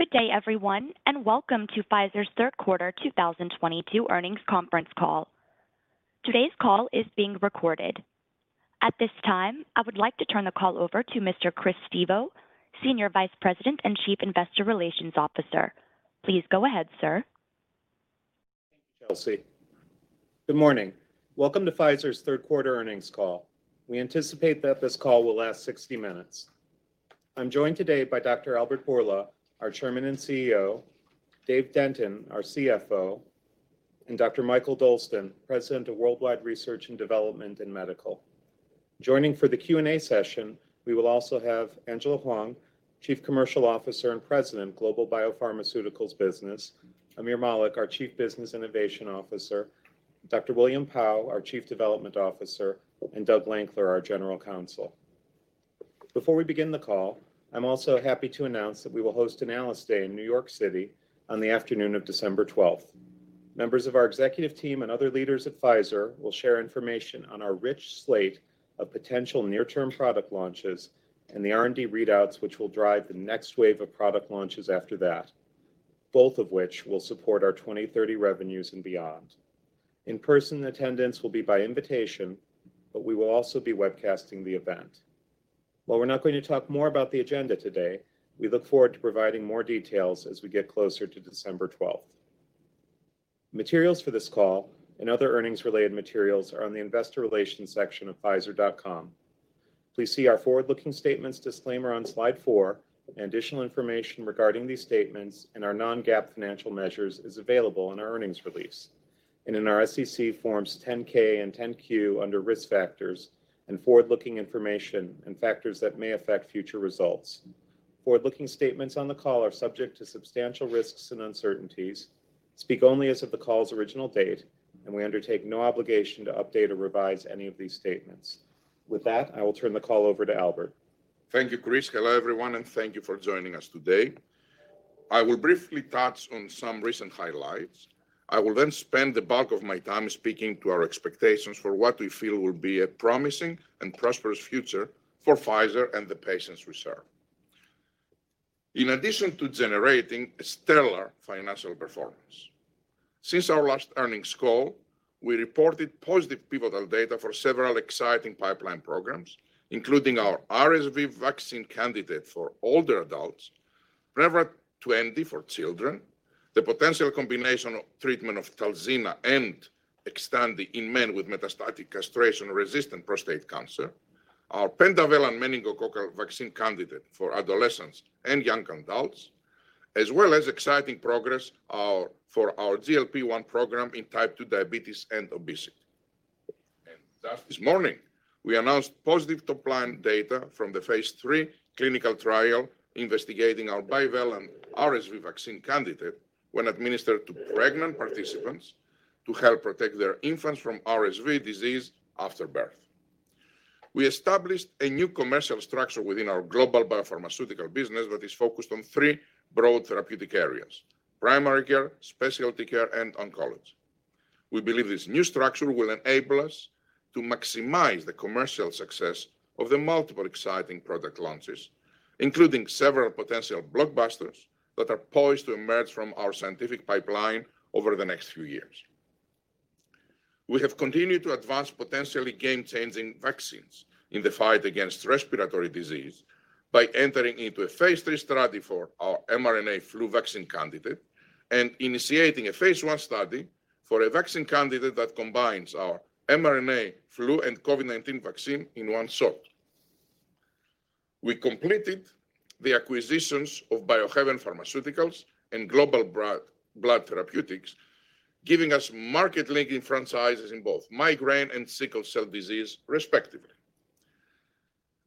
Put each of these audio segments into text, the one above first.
Good day everyone, and welcome to Pfizer's Third Quarter 2022 Earnings Conference Call. Today's call is being recorded. At this time, I would like to turn the call over to Mr. Chris Stevo, Senior Vice President and Chief Investor Relations Officer. Please go ahead, sir. Thank you, Kelsey. Good morning. Welcome to Pfizer's Third Quarter Earnings Call. We anticipate that this call will last 60 minutes. I'm joined today by Dr. Albert Bourla, our Chairman and CEO, Dave Denton, our CFO, and Dr. Mikael Dolsten, President of Worldwide Research and Development and Medical. Joining for the Q&A session, we will also have Angela Hwang, Chief Commercial Officer and President, Global Biopharmaceuticals Business, Aamir Malik, our Chief Business Innovation Officer, Dr. William Pao, our Chief Development Officer, and Douglas Lankler, our General Counsel. Before we begin the call, I'm also happy to announce that we will host an Analyst Day in New York City on the afternoon of December 12th. Members of our executive team and other leaders at Pfizer will share information on our rich slate of potential near-term product launches and the R&D readouts which will drive the next wave of product launches after that, both of which will support our 2030 revenues and beyond. In-person attendance will be by invitation, but we will also be webcasting the event. While we're not going to talk more about the agenda today, we look forward to providing more details as we get closer to December 12. Materials for this call and other earnings-related materials are on the investor relations section of pfizer.com. Please see our forward-looking statements disclaimer on slide four, and additional information regarding these statements and our non-GAAP financial measures is available in our earnings release and in our SEC forms 10-K and 10-Q under Risk Factors and Forward-Looking Information and Factors that may affect future results. Forward-looking statements on the call are subject to substantial risks and uncertainties, speak only as of the call's original date, and we undertake no obligation to update or revise any of these statements. With that, I will turn the call over to Albert. Thank you, Chris. Hello, everyone, and thank you for joining us today. I will briefly touch on some recent highlights. I will then spend the bulk of my time speaking to our expectations for what we feel will be a promising and prosperous future for Pfizer and the patients we serve. In addition to generating stellar financial performance, since our last earnings call, we reported positive pivotal data for several exciting pipeline programs, including our RSV vaccine candidate for older adults, Prevnar 20 for children, the potential combination treatment of Talzenna and Xtandi in men with metastatic castration-resistant prostate cancer, our pentavalent meningococcal vaccine candidate for adolescents and young adults, as well as exciting progress for our GLP-1 program in type 2 diabetes and obesity. Thus this morning, we announced positive top-line data from the phase III clinical trial investigating our bivalent RSV vaccine candidate when administered to pregnant participants to help protect their infants from RSV disease after birth. We established a new commercial structure within our global biopharmaceutical business that is focused on three broad therapeutic areas, primary care, specialty care, and oncology. We believe this new structure will enable us to maximize the commercial success of the multiple exciting product launches, including several potential blockbusters that are poised to emerge from our scientific pipeline over the next few years. We have continued to advance potentially game-changing vaccines in the fight against respiratory disease by entering into a phase III study for our mRNA flu vaccine candidate and initiating a phase I study for a vaccine candidate that combines our mRNA flu and COVID-19 vaccine in one shot. We completed the acquisitions of Biohaven Pharmaceuticals and Global Blood Therapeutics, giving us market-leading franchises in both migraine and sickle cell disease, respectively.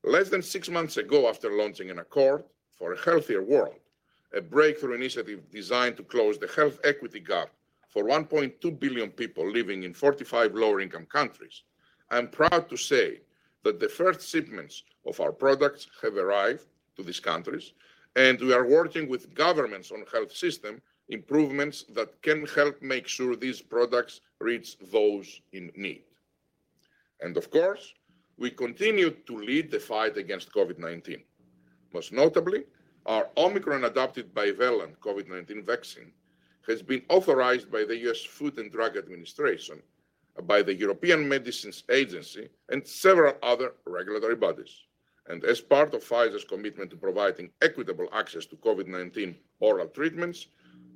Less than six months ago after launching an Accord for a Healthier World, a breakthrough initiative designed to close the health equity gap for 1.2 billion people living in 45 lower-income countries, I am proud to say that the first shipments of our products have arrived to these countries, and we are working with governments on health system improvements that can help make sure these products reach those in need. Of course, we continue to lead the fight against COVID-19. Most notably, our Omicron-adapted bivalent COVID-19 vaccine has been authorized by the U.S. Food and Drug Administration, by the European Medicines Agency, and several other regulatory bodies. As part of Pfizer's commitment to providing equitable access to COVID-19 oral treatments,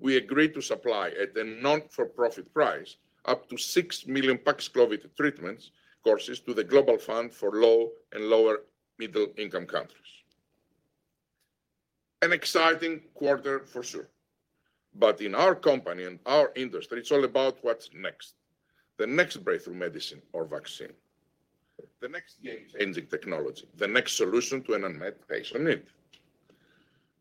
we agreed to supply at a not-for-profit price up to 6 million PAXLOVID treatment courses to the Global Fund for low and lower middle-income countries. An exciting quarter for sure. In our company and our industry, it's all about what's next. The next breakthrough medicine or vaccine, the next game-changing technology, the next solution to an unmet patient need.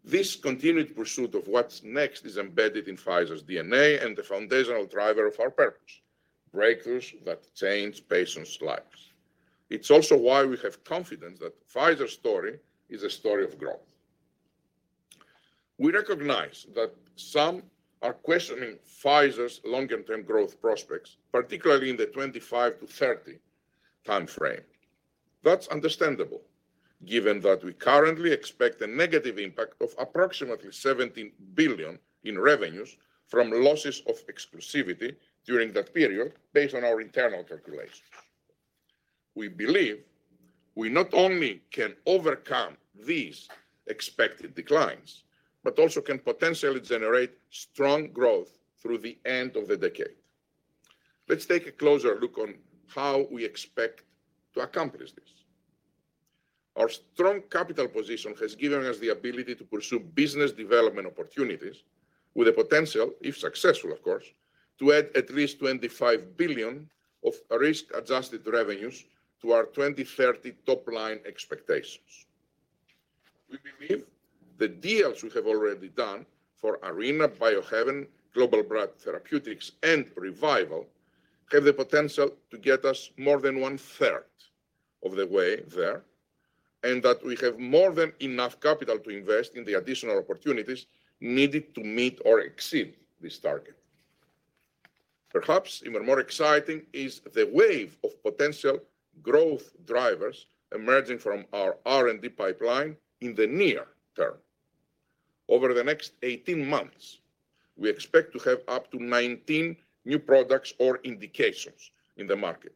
This continued pursuit of what's next is embedded in Pfizer's DNA and the foundational driver of our purpose, breakthroughs that change patients' lives. It's also why we have confidence that Pfizer's story is a story of growth. We recognize that some are questioning Pfizer's long-term growth prospects, particularly in the 25-30 timeframe. That's understandable given that we currently expect a negative impact of approximately $17 billion in revenues from losses of exclusivity during that period based on our internal calculations. We believe we not only can overcome these expected declines, but also can potentially generate strong growth through the end of the decade. Let's take a closer look on how we expect to accomplish this. Our strong capital position has given us the ability to pursue business development opportunities with the potential, if successful of course, to add at least $25 billion of risk-adjusted revenues to our 2030 top-line expectations. We believe the deals we have already done for Arena, Biohaven, Global Blood Therapeutics and ReViral have the potential to get us more than one-third of the way there, and that we have more than enough capital to invest in the additional opportunities needed to meet or exceed this target. Perhaps even more exciting is the wave of potential growth drivers emerging from our R&D pipeline in the near term. Over the next 18 months, we expect to have up to 19 new products or indications in the market,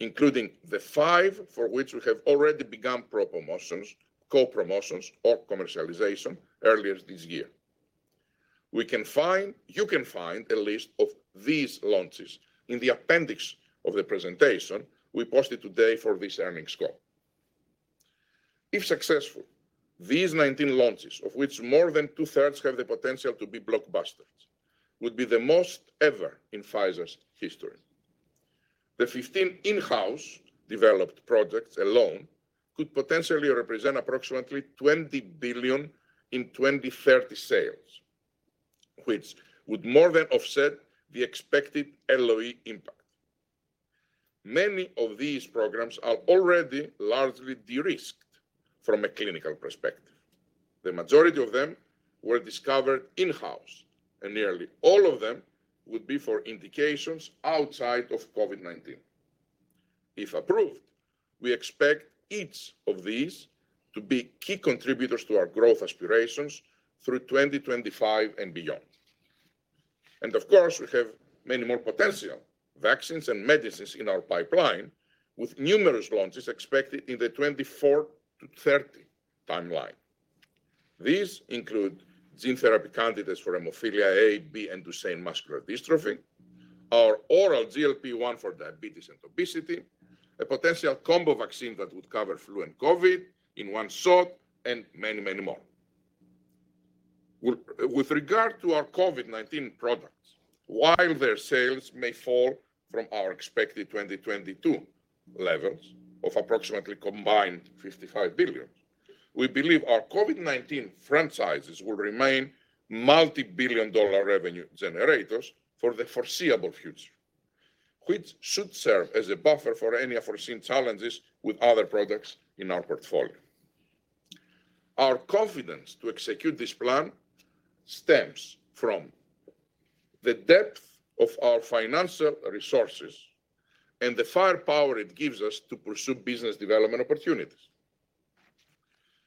including the five for which we have already begun promotions, co-promotions or commercialization earlier this year. You can find a list of these launches in the appendix of the presentation we posted today for this earnings call. If successful, these 19 launches, of which more than two-thirds have the potential to be blockbusters, would be the most ever in Pfizer's history. The 15 in-house developed projects alone could potentially represent approximately $20 billion in 2030 sales, which would more than offset the expected LOE impact. Many of these programs are already largely de-risked from a clinical perspective. The majority of them were discovered in-house, and nearly all of them would be for indications outside of COVID-19. If approved, we expect each of these to be key contributors to our growth aspirations through 2025 and beyond. Of course, we have many more potential vaccines and medicines in our pipeline, with numerous launches expected in the 2024-2030 timeline. These include gene therapy candidates for hemophilia A, B, and Duchenne muscular dystrophy, our oral GLP-1 for diabetes and obesity, a potential combo vaccine that would cover flu and COVID in one shot, and many, many more. With regard to our COVID-19 products, while their sales may fall from our expected 2022 levels of approximately combined $55 billion, we believe our COVID-19 franchises will remain multi-billion dollar revenue generators for the foreseeable future, which should serve as a buffer for any unforeseen challenges with other products in our portfolio. Our confidence to execute this plan stems from the depth of our financial resources and the firepower it gives us to pursue business development opportunities.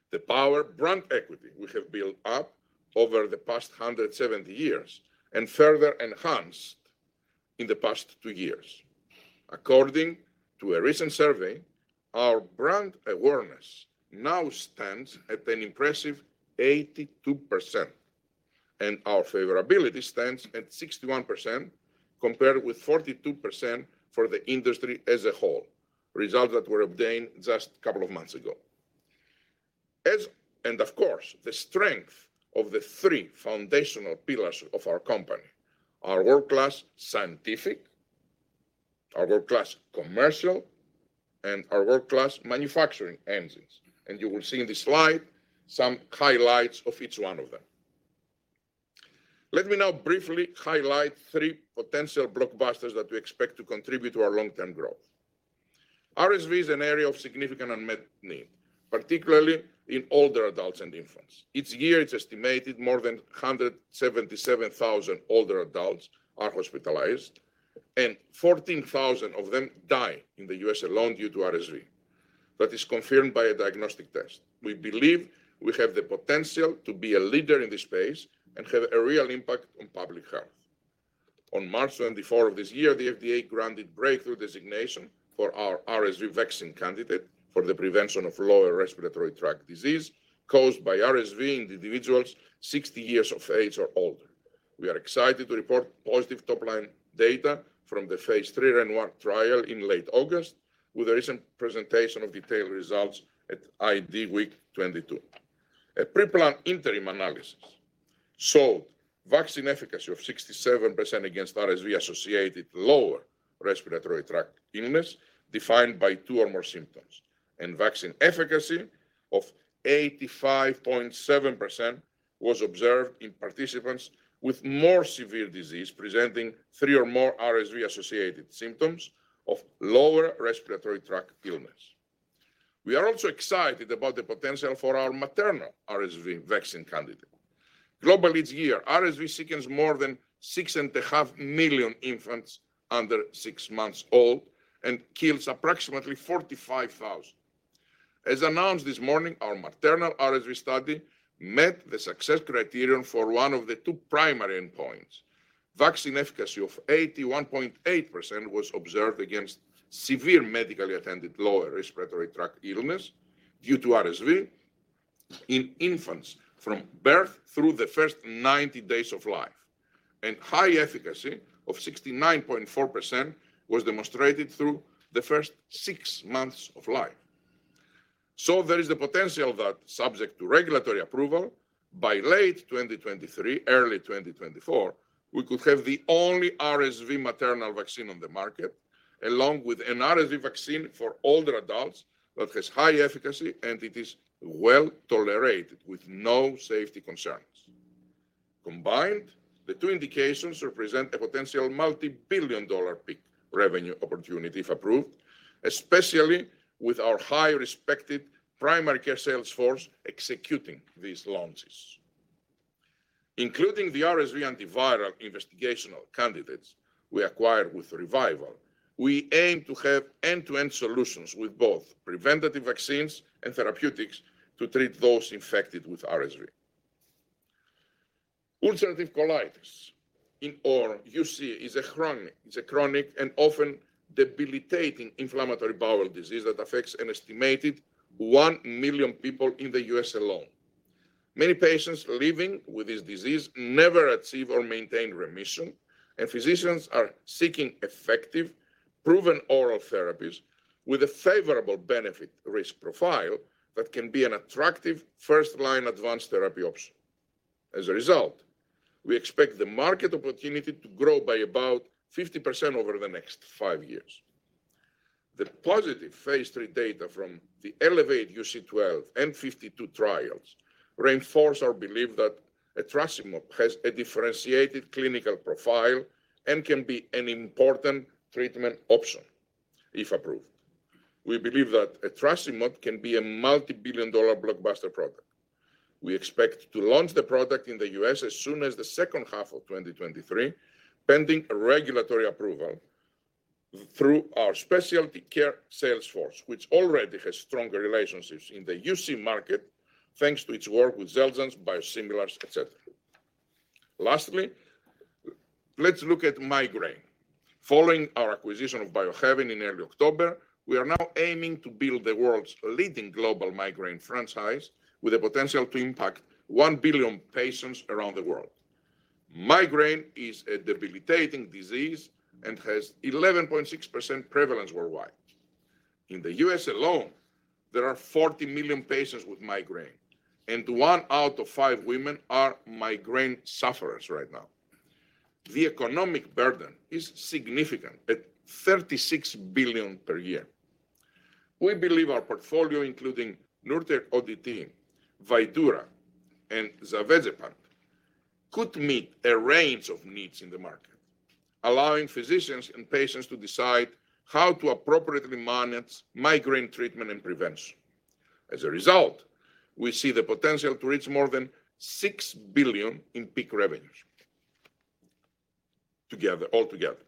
The powerful brand equity we have built up over the past 170 years and further enhanced in the past two years. According to a recent survey, our brand awareness now stands at an impressive 82%, and our favorability stands at 61% compared with 42% for the industry as a whole, results that were obtained just a couple of months ago. Of course, the strength of the three foundational pillars of our company, our world-class scientific, our world-class commercial, and our world-class manufacturing engines, and you will see in this slide some highlights of each one of them. Let me now briefly highlight three potential blockbusters that we expect to contribute to our long-term growth. RSV is an area of significant unmet need, particularly in older adults and infants. Each year, it's estimated more than 177,000 older adults are hospitalized, and 14,000 of them die in the U.S. alone due to RSV. That is confirmed by a diagnostic test. We believe we have the potential to be a leader in this space and have a real impact on public health. On March twenty-fourth of this year, the FDA granted breakthrough designation for our RSV vaccine candidate for the prevention of lower respiratory tract disease caused by RSV in individuals 60 years of age or older. We are excited to report positive top-line data from the phase III RENOIR trial in late August with a recent presentation of detailed results at IDWeek 2022. A preplanned interim analysis showed vaccine efficacy of 67% against RSV-associated lower respiratory tract illness defined by two or more symptoms, and vaccine efficacy of 85.7% was observed in participants with more severe disease presenting three or more RSV-associated symptoms of lower respiratory tract illness. We are also excited about the potential for our maternal RSV vaccine candidate. Globally this year, RSV sickens more than 6.5 million infants under six months old and kills approximately 45,000. As announced this morning, our maternal RSV study met the success criterion for one of the two primary endpoints. Vaccine efficacy of 81.8% was observed against severe medically attended lower respiratory tract illness due to RSV in infants from birth through the first 90 days of life. High efficacy of 69.4% was demonstrated through the first six months of life. There is the potential that subject to regulatory approval by late 2023, early 2024, we could have the only RSV maternal vaccine on the market, along with an RSV vaccine for older adults that has high efficacy and it is well-tolerated with no safety concerns. Combined, the two indications represent a potential multi-billion dollar peak revenue opportunity if approved, especially with our high respected primary care sales force executing these launches. Including the RSV antiviral investigational candidates we acquired with ReViral, we aim to have end-to-end solutions with both preventative vaccines and therapeutics to treat those infected with RSV. Ulcerative colitis, or UC is a chronic and often debilitating inflammatory bowel disease that affects an estimated one million people in the U.S. alone. Many patients living with this disease never achieve or maintain remission, and physicians are seeking effective, proven oral therapies with a favorable benefit risk profile that can be an attractive first-line advanced therapy option. As a result, we expect the market opportunity to grow by about 50% over the next five years. The positive phase III data from the ELEVATE UC 12 and 52 trials reinforce our belief that etrasimod has a differentiated clinical profile and can be an important treatment option if approved. We believe that etrasimod can be a multi-billion-dollar blockbuster product. We expect to launch the product in the U.S. as soon as the second half of 2023, pending regulatory approval through our specialty care sales force, which already has stronger relationships in the UC market thanks to its work with Xeljanz biosimilars, et cetera. Lastly, let's look at migraine. Following our acquisition of Biohaven in early October, we are now aiming to build the world's leading global migraine franchise with the potential to impact 1 billion patients around the world. Migraine is a debilitating disease and has 11.6% prevalence worldwide. In the U.S. alone, there are 40 million patients with migraine, and one out of five women are migraine sufferers right now. The economic burden is significant, at $36 billion per year. We believe our portfolio, including Nurtec ODT, VYEPTI, and zavegepant, could meet a range of needs in the market, allowing physicians and patients to decide how to appropriately manage migraine treatment and prevention. As a result, we see the potential to reach more than $6 billion in peak revenues together, altogether.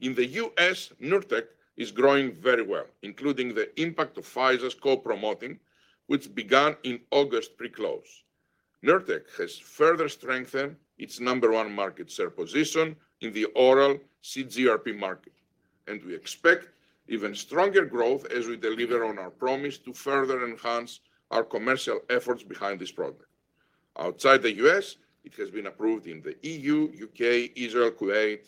In the U.S., Nurtec is growing very well, including the impact of Pfizer's co-promoting, which began in August pre-close. Nurtec has further strengthened its number one market share position in the oral CGRP market, and we expect even stronger growth as we deliver on our promise to further enhance our commercial efforts behind this product. Outside the U.S., it has been approved in the EU, U.K., Israel, Kuwait,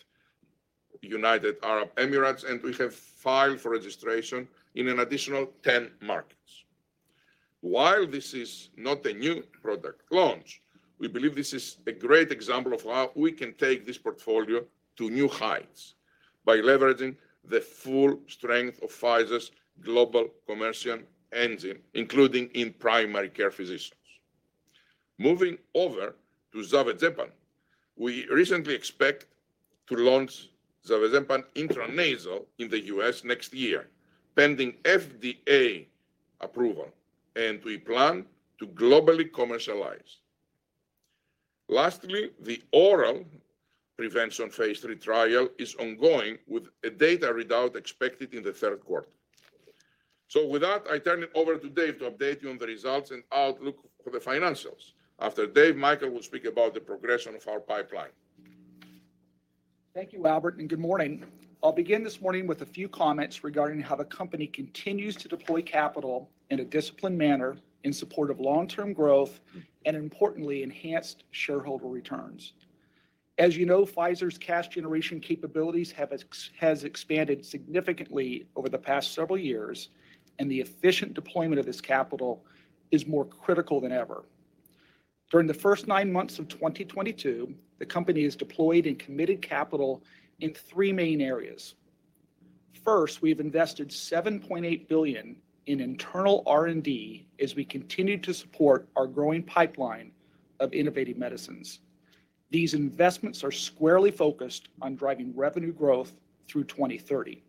United Arab Emirates, and we have filed for registration in an additional 10 markets. While this is not a new product launch, we believe this is a great example of how we can take this portfolio to new heights by leveraging the full strength of Pfizer's global commercial engine, including in primary care physicians. Moving over to zavegepant, we recently expect to launch zavegepant intranasal in the U.S. next year, pending FDA approval, and we plan to globally commercialize. Lastly, the oral prevention phase III trial is ongoing with a data readout expected in the third quarter. With that, I turn it over to Dave to update you on the results and outlook for the financials. After Dave, Mikael will speak about the progression of our pipeline. Thank you, Albert, and good morning. I'll begin this morning with a few comments regarding how the company continues to deploy capital in a disciplined manner in support of long-term growth and importantly, enhanced shareholder returns. As you know, Pfizer's cash generation capabilities has expanded significantly over the past several years, and the efficient deployment of this capital is more critical than ever. During the first nine months of 2022, the company has deployed and committed capital in three main areas. First, we've invested $7.8 billion in internal R&D as we continue to support our growing pipeline of innovative medicines. These investments are squarely focused on driving revenue growth through 2030.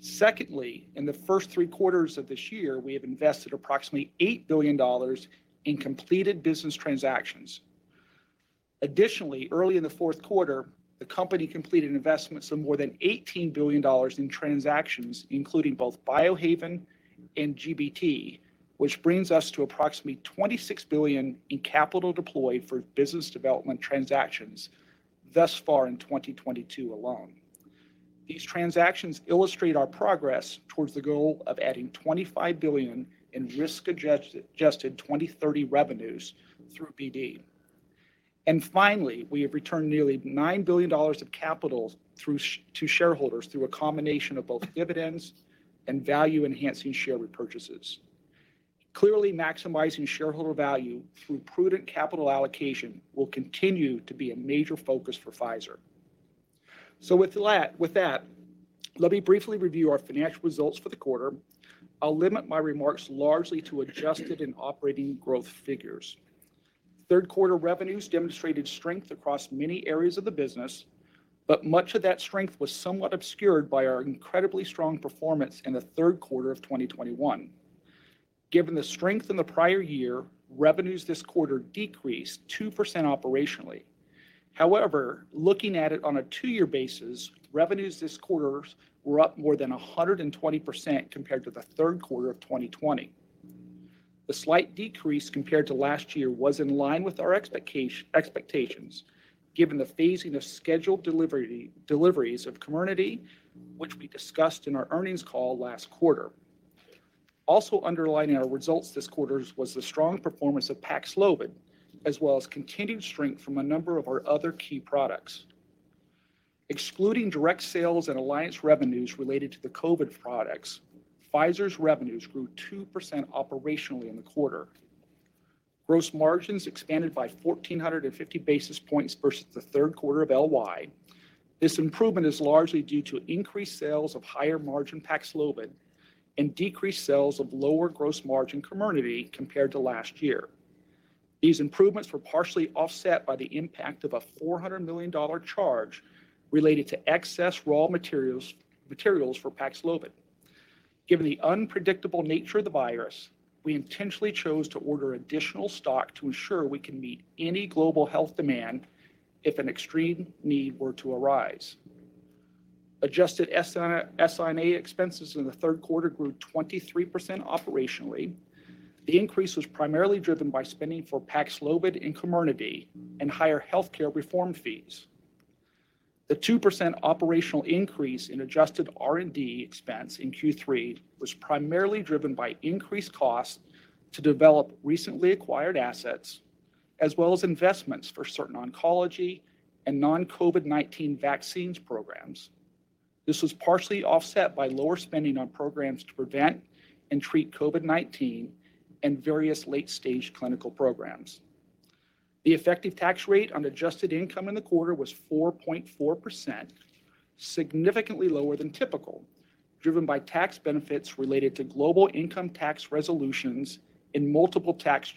Secondly, in the first three quarters of this year, we have invested approximately $8 billion in completed business transactions. Additionally, early in the fourth quarter, the company completed investments of more than $18 billion in transactions, including both Biohaven and GBT, which brings us to approximately $26 billion in capital deployed for business development transactions thus far in 2022 alone. These transactions illustrate our progress towards the goal of adding $25 billion in risk-adjusted 2030 revenues through BD. Finally, we have returned nearly $9 billion of capital through to shareholders through a combination of both dividends and value-enhancing share repurchases. Clearly maximizing shareholder value through prudent capital allocation will continue to be a major focus for Pfizer. With that, let me briefly review our financial results for the quarter. I'll limit my remarks largely to adjusted and operating growth figures. Third quarter revenues demonstrated strength across many areas of the business, but much of that strength was somewhat obscured by our incredibly strong performance in the third quarter of 2021. Given the strength in the prior year, revenues this quarter decreased 2% operationally. However, looking at it on a two-year basis, revenues this quarter were up more than 120% compared to the third quarter of 2020. The slight decrease compared to last year was in line with our expectations, given the phasing of scheduled deliveries of Comirnaty, which we discussed in our earnings call last quarter. Also underlining our results this quarter was the strong performance of PAXLOVID, as well as continued strength from a number of our other key products. Excluding direct sales and alliance revenues related to the COVID products, Pfizer's revenues grew 2% operationally in the quarter. Gross margins expanded by 1,450 basis points versus the third quarter of LY. This improvement is largely due to increased sales of higher-margin PAXLOVID and decreased sales of lower gross margin Comirnaty compared to last year. These improvements were partially offset by the impact of a $400 million charge related to excess raw materials for PAXLOVID. Given the unpredictable nature of the virus, we intentionally chose to order additional stock to ensure we can meet any global health demand if an extreme need were to arise. Adjusted SI&A expenses in the third quarter grew 23% operationally. The increase was primarily driven by spending for PAXLOVID and Comirnaty and higher healthcare reform fees. The 2% operational increase in adjusted R&D expense in Q3 was primarily driven by increased costs to develop recently acquired assets as well as investments for certain oncology and non-COVID-19 vaccines programs. This was partially offset by lower spending on programs to prevent and treat COVID-19 and various late-stage clinical programs. The effective tax rate on adjusted income in the quarter was 4.4%, significantly lower than typical, driven by tax benefits related to global income tax resolutions in multiple tax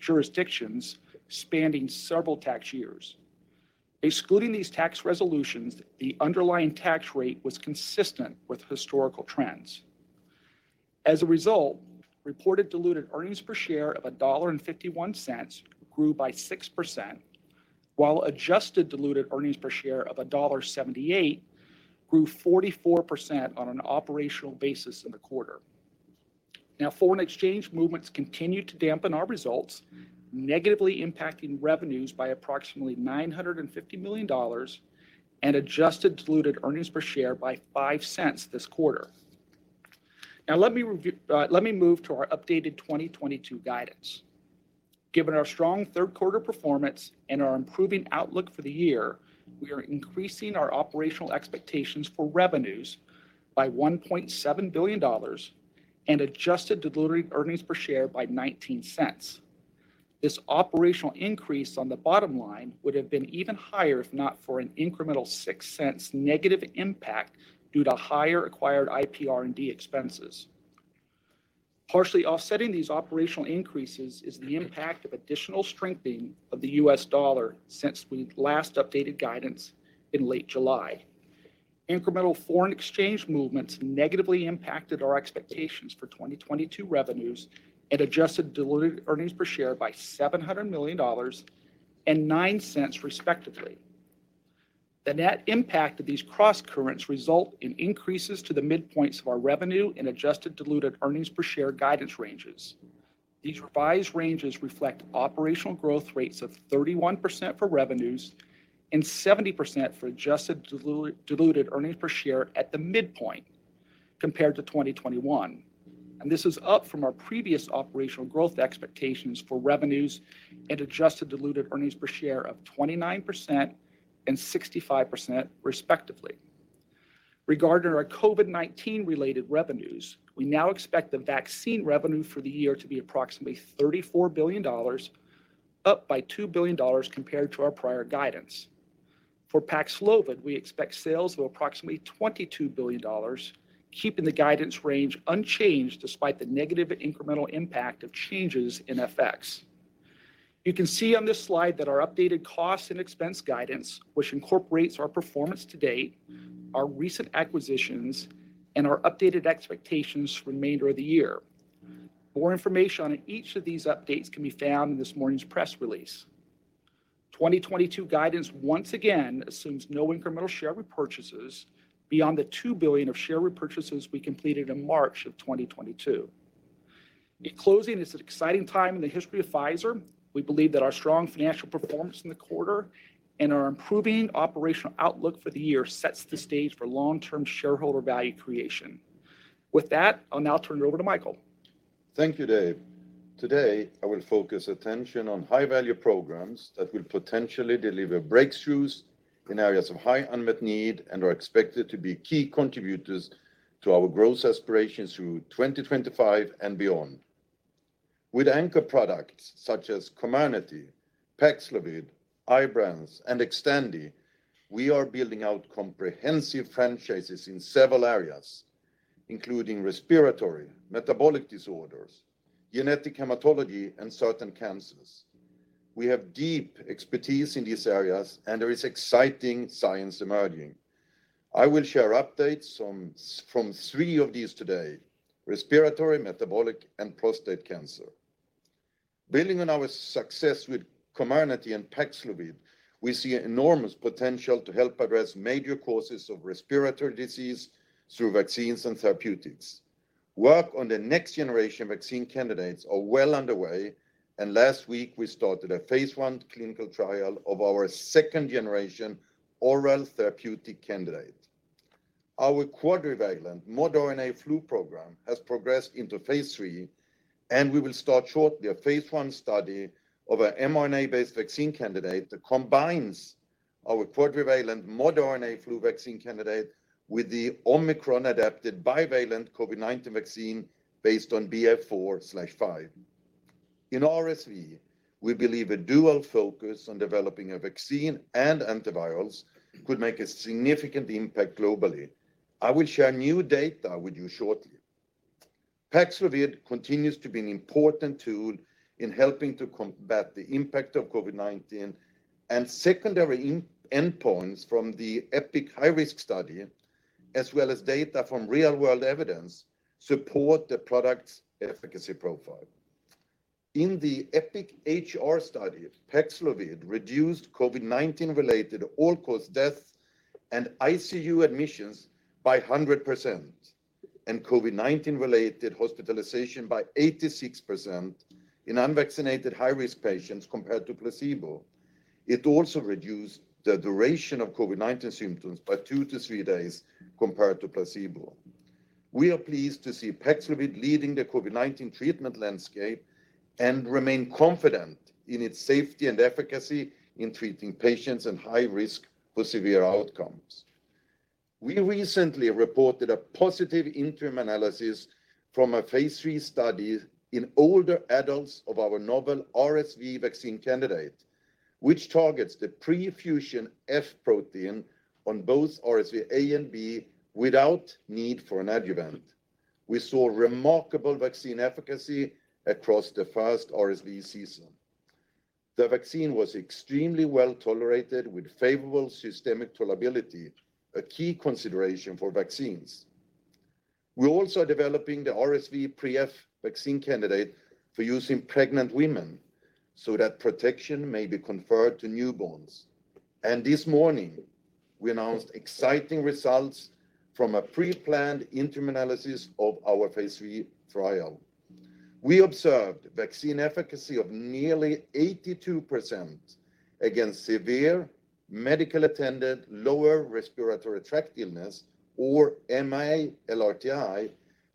jurisdictions spanning several tax years. Excluding these tax resolutions, the underlying tax rate was consistent with historical trends. As a result, reported diluted earnings per share of $1.51 grew by 6%, while adjusted diluted earnings per share of $1.78 grew 44% on an operational basis in the quarter. Foreign exchange movements continued to dampen our results, negatively impacting revenues by approximately $950 million and adjusted diluted earnings per share by $0.05 this quarter. Let me review, let me move to our updated 2022 guidance. Given our strong third quarter performance and our improving outlook for the year, we are increasing our operational expectations for revenues by $1.7 billion and adjusted diluted earnings per share by $0.19. This operational increase on the bottom line would have been even higher if not for an incremental $0.06 negative impact due to higher acquired IPR&D expenses. Partially offsetting these operational increases is the impact of additional strengthening of the U.S. dollar since we last updated guidance in late July. Incremental foreign exchange movements negatively impacted our expectations for 2022 revenues and adjusted diluted earnings per share by $700 million and $0.09, respectively. The net impact of these cross-currents result in increases to the midpoints of our revenue and adjusted diluted earnings per share guidance ranges. These revised ranges reflect operational growth rates of 31% for revenues and 70% for adjusted diluted earnings per share at the midpoint compared to 2021. This is up from our previous operational growth expectations for revenues and adjusted diluted earnings per share of 29% and 65%, respectively. Regarding our COVID-19-related revenues, we now expect the vaccine revenue for the year to be approximately $34 billion, up by $2 billion compared to our prior guidance. For PAXLOVID, we expect sales of approximately $22 billion, keeping the guidance range unchanged despite the negative incremental impact of changes in FX. You can see on this slide that our updated cost and expense guidance, which incorporates our performance to date, our recent acquisitions, and our updated expectations for the remainder of the year. More information on each of these updates can be found in this morning's press release. 2022 guidance once again assumes no incremental share repurchases beyond the $2 billion of share repurchases we completed in March 2022. In closing, it's an exciting time in the history of Pfizer. We believe that our strong financial performance in the quarter and our improving operational outlook for the year sets the stage for long-term shareholder value creation. With that, I'll now turn it over to Mikael. Thank you, Dave. Today, I will focus attention on high-value programs that will potentially deliver breakthroughs in areas of high unmet need and are expected to be key contributors to our growth aspirations through 2025 and beyond. With anchor products such as Comirnaty, PAXLOVID, IBRANCE, and Xtandi, we are building out comprehensive franchises in several areas, including respiratory, metabolic disorders, genetic hematology, and certain cancers. We have deep expertise in these areas, and there is exciting science emerging. I will share updates on three of these today: respiratory, metabolic, and prostate cancer. Building on our success with Comirnaty and PAXLOVID, we see enormous potential to help address major causes of respiratory disease through vaccines and therapeutics. Work on the next generation vaccine candidates are well underway, and last week we started a phase I clinical trial of our second generation oral therapeutic candidate. Our quadrivalent modRNA flu program has progressed into phase III, and we will start shortly a phase I study of an mRNA-based vaccine candidate that combines our quadrivalent modRNA flu vaccine candidate with the Omicron-adapted bivalent COVID-19 vaccine based on BA.4/5. In RSV, we believe a dual focus on developing a vaccine and antivirals could make a significant impact globally. I will share new data with you shortly. PAXLOVID continues to be an important tool in helping to combat the impact of COVID-19, and secondary endpoints from the EPIC-HR study, as well as data from real-world evidence, support the product's efficacy profile. In the EPIC-HR study, PAXLOVID reduced COVID-19-related all-cause deaths and ICU admissions by 100% and COVID-19-related hospitalization by 86% in unvaccinated high-risk patients compared to placebo. It also reduced the duration of COVID-19 symptoms by two to three days compared to placebo. We are pleased to see PAXLOVID leading the COVID-19 treatment landscape and remain confident in its safety and efficacy in treating patients at high risk for severe outcomes. We recently reported a positive interim analysis from a phase III study in older adults of our novel RSV vaccine candidate, which targets the pre-fusion F protein on both RSV A and B without need for an adjuvant. We saw remarkable vaccine efficacy across the first RSV season. The vaccine was extremely well-tolerated with favorable systemic tolerability, a key consideration for vaccines. We're also developing the RSV pre-F vaccine candidate for use in pregnant women so that protection may be conferred to newborns. This morning, we announced exciting results from a pre-planned interim analysis of our phase III trial. We observed vaccine efficacy of nearly 82% against severe medically attended lower respiratory tract illness, or MA-LRTI,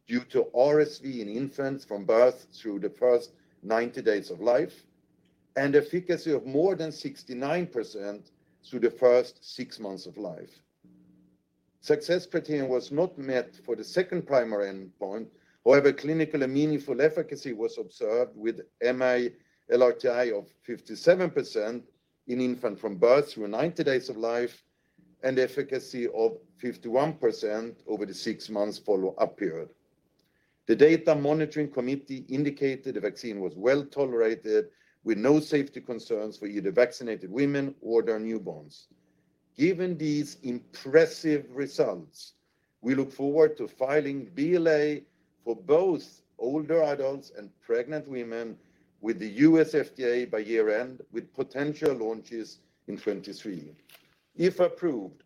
due to RSV in infants from birth through the first 90 days of life, and efficacy of more than 69% through the first six months of life. Success criterion was not met for the second primary endpoint. However, clinical and meaningful efficacy was observed with MA-LRTI of 57% in infants from birth through 90 days of life and efficacy of 51% over the six months follow-up period. The data monitoring committee indicated the vaccine was well-tolerated with no safety concerns for either vaccinated women or their newborns. Given these impressive results, we look forward to filing BLA for both older adults and pregnant women with the U.S. FDA by year-end, with potential launches in 2023. If approved,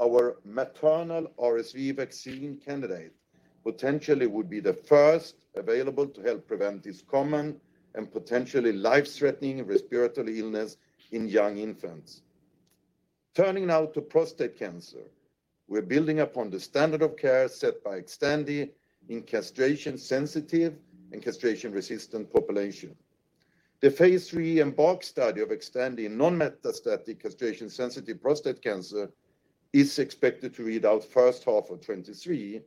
our maternal RSV vaccine candidate potentially would be the first available to help prevent this common and potentially life-threatening respiratory illness in young infants. Turning now to prostate cancer, we're building upon the standard of care set by Xtandi in castration-sensitive and castration-resistant population. The phase III EMBARK study of Xtandi in non-metastatic castration-sensitive prostate cancer is expected to read out first half of 2023,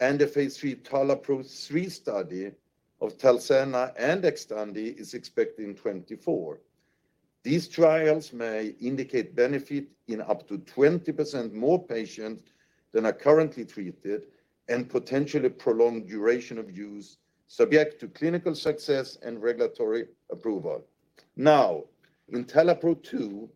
and the phase III TALAPRO-3 study of Talzenna and Xtandi is expected in 2024. These trials may indicate benefit in up to 20% more patients than are currently treated and potentially prolonged duration of use subject to clinical success and regulatory approval. Now, in TALAPRO-2,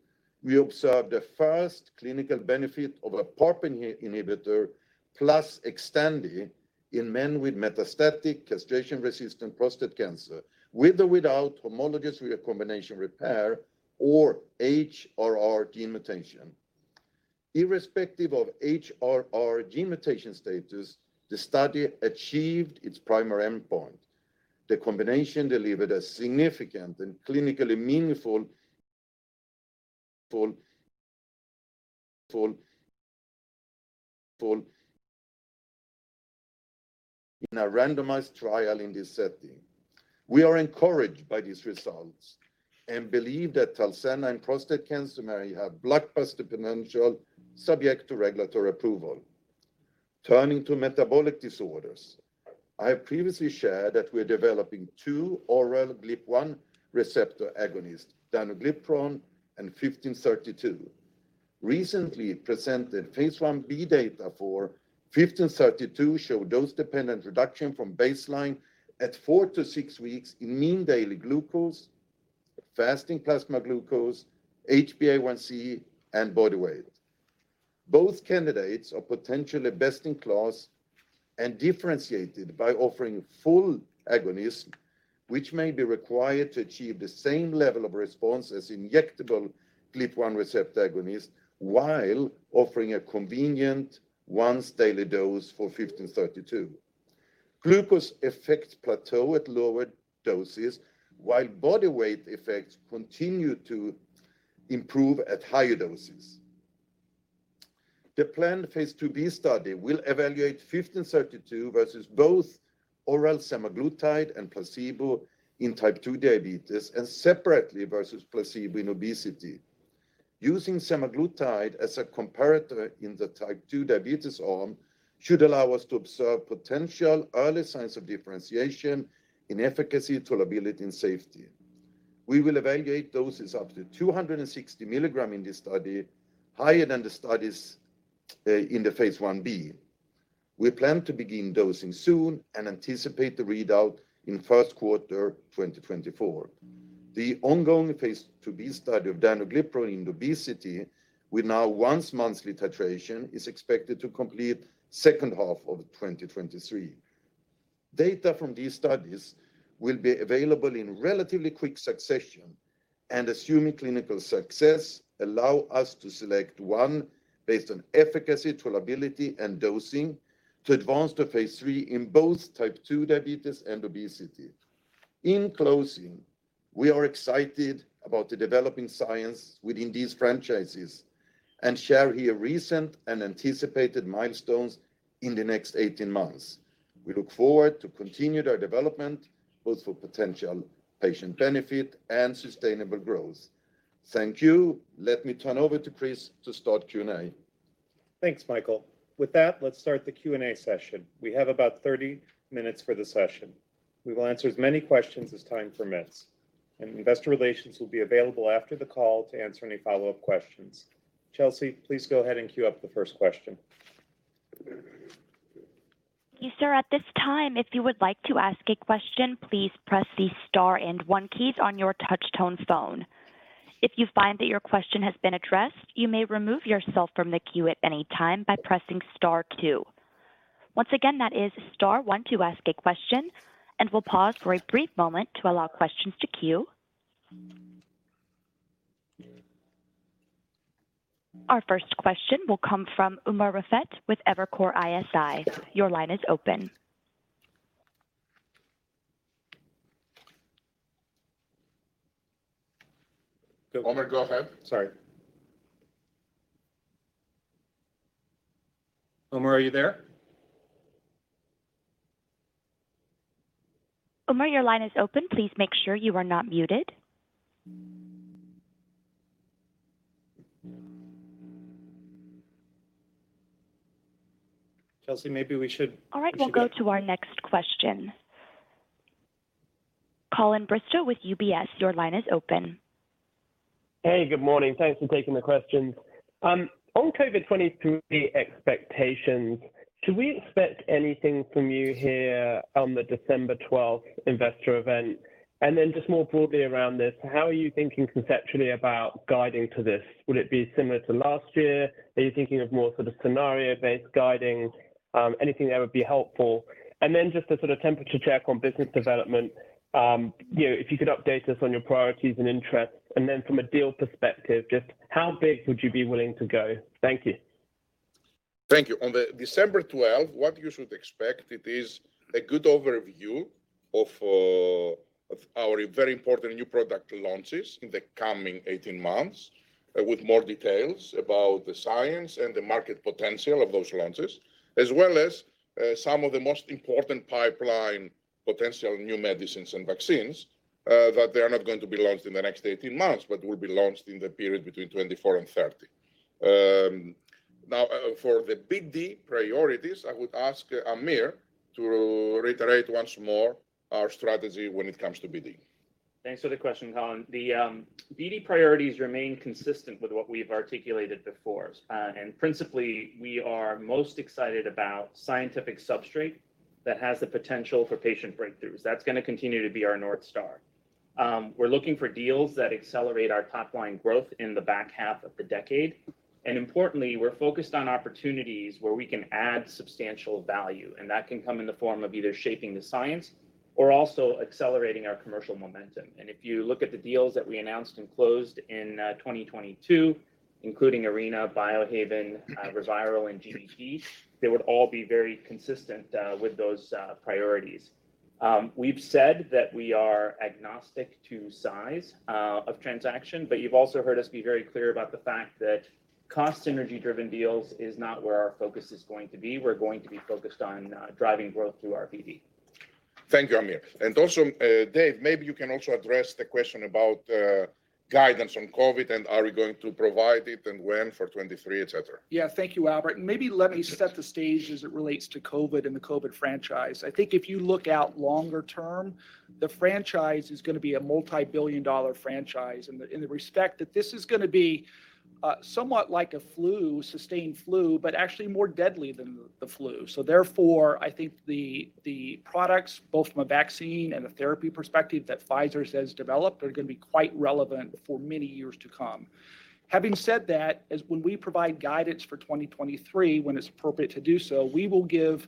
we observed the first clinical benefit of a PARP inhibitor plus Xtandi in men with metastatic castration-resistant prostate cancer with or without homologous recombination repair or HRR gene mutation. Irrespective of HRR gene mutation status, the study achieved its primary endpoint. The combination delivered a significant and clinically meaningful in a randomized trial in this setting. We are encouraged by these results and believe that Talzenna in prostate cancer may have blockbuster potential subject to regulatory approval. Turning to metabolic disorders. I have previously shared that we are developing two oral GLP-1 receptor agonist, Danuglipron and PF-07081532. Recently presented phase 1b data for PF-07081532 show dose-dependent reduction from baseline at four to six weeks in mean daily glucose, fasting plasma glucose, HbA1c and body weight. Both candidates are potentially best-in-class and differentiated by offering full agonist, which may be required to achieve the same level of response as injectable GLP-1 receptor agonist while offering a convenient once daily dose for PF-07081532. Glucose effects plateau at lower doses while body weight effects continue to improve at higher doses. The planned phase 2B study will evaluate PF-07081532 versus both oral semaglutide and placebo in type 2 diabetes and separately versus placebo in obesity. Using semaglutide as a comparator in the type 2 diabetes arm should allow us to observe potential early signs of differentiation in efficacy, tolerability, and safety. We will evaluate doses up to 260 milligram in this study, higher than the studies in the phase 1b. We plan to begin dosing soon and anticipate the readout in first quarter 2024. The ongoing phase 2b study of Danuglipron in obesity with now once monthly titration is expected to complete second half of 2023. Data from these studies will be available in relatively quick succession and assuming clinical success allow us to select one based on efficacy, tolerability, and dosing to advance to phase III in both type 2 diabetes and obesity. In closing, we are excited about the developing science within these franchises and share here recent and anticipated milestones in the next 18 months. We look forward to continue their development both for potential patient benefit and sustainable growth. Thank you. Let me turn over to Chris to start Q&A. Thanks, Mikael. With that, let's start the Q&A session. We have about 30 minutes for the session. We will answer as many questions as time permits, and investor relations will be available after the call to answer any follow-up questions. Chelsea, please go ahead and queue up the first question. Thank you, sir. At this time, if you would like to ask a question, please press the star and one keys on your touch tone phone. If you find that your question has been addressed, you may remove yourself from the queue at any time by pressing star two. Once again, that is star one to ask a question, and we'll pause for a brief moment to allow questions to queue. Our first question will come from Umer Raffat with Evercore ISI. Your line is open. Umer, go ahead. Sorry. Umer, are you there? Umer, your line is open. Please make sure you are not muted. Chelsea, maybe we should proceed. All right, we'll go to our next question. Colin Bristow with UBS, your line is open. Hey, good morning. Thanks for taking the questions. On COVID-23 expectations, should we expect anything from you here on the December 12th investor event? Then just more broadly around this, how are you thinking conceptually about guiding to this? Will it be similar to last year? Are you thinking of more sort of scenario-based guiding? Anything that would be helpful. Then just a sort of temperature check on business development, you know, if you could update us on your priorities and interests. Then from a deal perspective, just how big would you be willing to go? Thank you. Thank you. On the December 12, what you should expect, it is a good overview of our very important new product launches in the coming 18 months, with more details about the science and the market potential of those launches, as well as some of the most important pipeline potential new medicines and vaccines that they are not going to be launched in the next 18 months, but will be launched in the period between 2024 and 2030. Now, for the BD priorities, I would ask Aamir to reiterate once more our strategy when it comes to BD. Thanks for the question, Colin. The BD priorities remain consistent with what we've articulated before. Principally, we are most excited about scientific substrate that has the potential for patient breakthroughs. That's gonna continue to be our North Star. We're looking for deals that accelerate our top-line growth in the back half of the decade, and importantly, we're focused on opportunities where we can add substantial value, and that can come in the form of either shaping the science or also accelerating our commercial momentum. If you look at the deals that we announced and closed in 2022, including Arena, Biohaven, ReViral, and GBT, they would all be very consistent with those priorities. We've said that we are agnostic to size of transaction, but you've also heard us be very clear about the fact that cost synergy-driven deals is not where our focus is going to be. We're going to be focused on driving growth through our BD. Thank you, Aamir. Also, Dave, maybe you can also address the question about guidance on COVID, and are we going to provide it, and when for 2023, et cetera? Yeah. Thank you, Albert. Maybe let me set the stage as it relates to COVID and the COVID franchise. I think if you look out longer term, the franchise is gonna be a multi-billion dollar franchise in the respect that this is gonna be somewhat like a flu, sustained flu, but actually more deadly than the flu. Therefore, I think the products, both from a vaccine and a therapy perspective that Pfizer has developed are gonna be quite relevant for many years to come. Having said that, and when we provide guidance for 2023, when it's appropriate to do so, we will give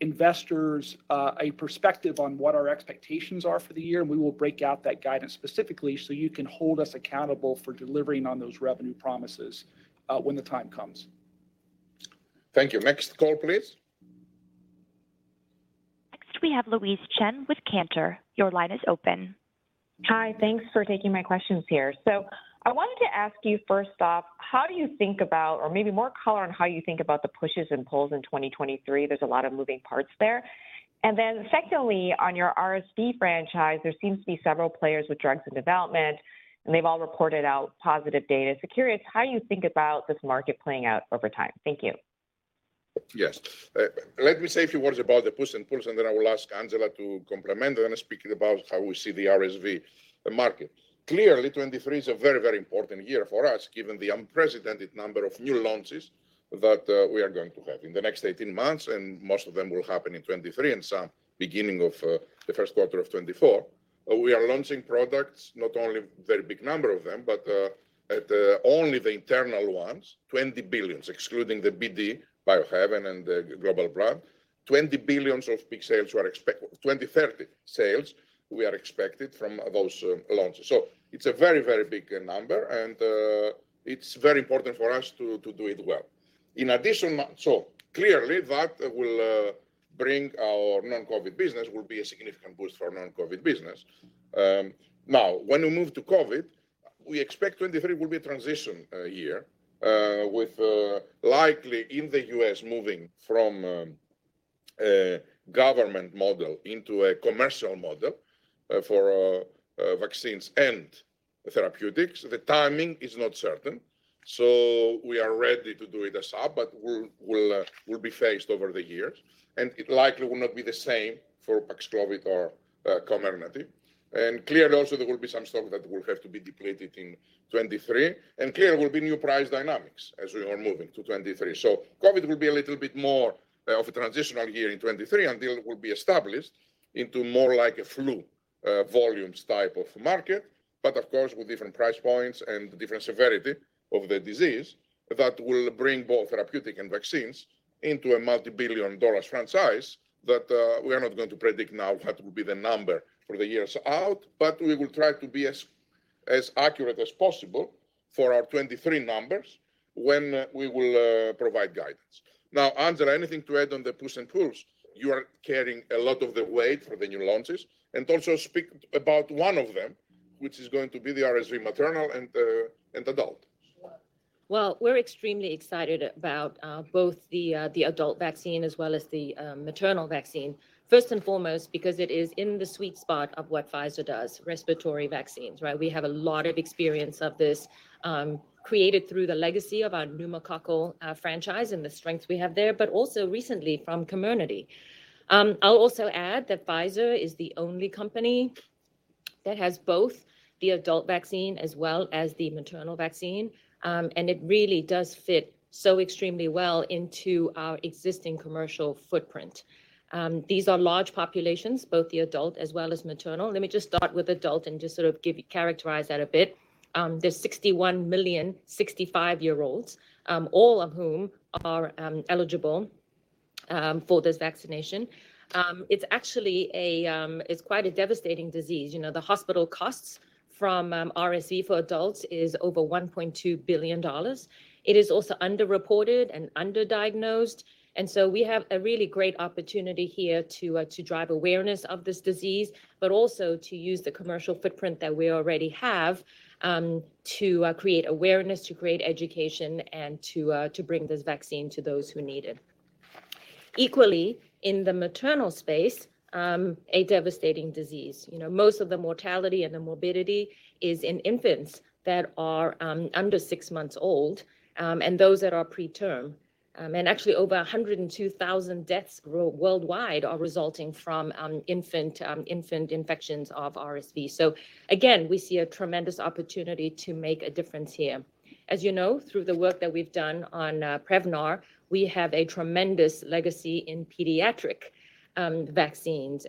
investors a perspective on what our expectations are for the year, and we will break out that guidance specifically so you can hold us accountable for delivering on those revenue promises when the time comes. Thank you. Next call, please. Next, we have Louise Chen with Cantor. Your line is open. Hi. Thanks for taking my questions here. I wanted to ask you, first off, how do you think about, or maybe more color on how you think about the pushes and pulls in 2023. There's a lot of moving parts there. Secondly, on your RSV franchise, there seems to be several players with drugs in development, and they've all reported out positive data. Curious how you think about this market playing out over time. Thank you. Yes. Let me say a few words about the push and pulls, and then I will ask Angela to comment and speak about how we see the RSV market. Clearly, 2023 is a very, very important year for us, given the unprecedented number of new launches that we are going to have in the next 18 months, and most of them will happen in 2023 and some beginning of the first quarter of 2024. We are launching products, not only a very big number of them, but at only the internal ones, $20 billion, excluding the BD, Biohaven and the GBT. $20 billion of peak sales we are 2030 sales we are expected from those launches. It's a very, very big number and it's very important for us to do it well. In addition, clearly that will be a significant boost for our non-COVID business. Now, when we move to COVID, we expect 2023 will be a transition year with likely in the U.S. moving from a government model into a commercial model for vaccines and therapeutics. The timing is not certain, so we are ready to do it ASAP, but it will be phased over the years. It likely will not be the same for PAXLOVID or Comirnaty. Clearly also there will be some stock that will have to be depleted in 2023. Clearly there will be new price dynamics as we are moving to 2023. COVID will be a little bit more of a transitional year in 2023 until it will be established into more like a flu volumes type of market, but of course, with different price points and different severity of the disease that will bring both therapeutic and vaccines into a multi-billion-dollar franchise that we are not going to predict now what will be the number for the years out, but we will try to be as accurate as possible for our 2023 numbers when we will provide guidance. Now, Angela, anything to add on the push and pulls? You are carrying a lot of the weight for the new launches. Also speak about one of them, which is going to be the RSV maternal and adult. Sure. Well, we're extremely excited about both the adult vaccine as well as the maternal vaccine. First and foremost, because it is in the sweet spot of what Pfizer does, respiratory vaccines, right? We have a lot of experience of this, created through the legacy of our pneumococcal franchise and the strengths we have there, but also recently from Comirnaty. I'll also add that Pfizer is the only company that has both the adult vaccine as well as the maternal vaccine, and it really does fit so extremely well into our existing commercial footprint. These are large populations, both the adult as well as maternal. Let me just start with adult and just sort of give you, characterize that a bit. There's 61 million 65-year-olds, all of whom are eligible, for this vaccination. It's actually quite a devastating disease. You know, the hospital costs from RSV for adults is over $1.2 billion. It is also underreported and underdiagnosed, and so we have a really great opportunity here to drive awareness of this disease, but also to use the commercial footprint that we already have to create awareness, to create education, and to bring this vaccine to those who need it. Equally, in the maternal space, a devastating disease. You know, most of the mortality and the morbidity is in infants that are under six months old and those that are preterm. And actually over 102,000 deaths worldwide are resulting from infant infections of RSV. So again, we see a tremendous opportunity to make a difference here. As you know, through the work that we've done on Prevnar, we have a tremendous legacy in pediatric vaccines.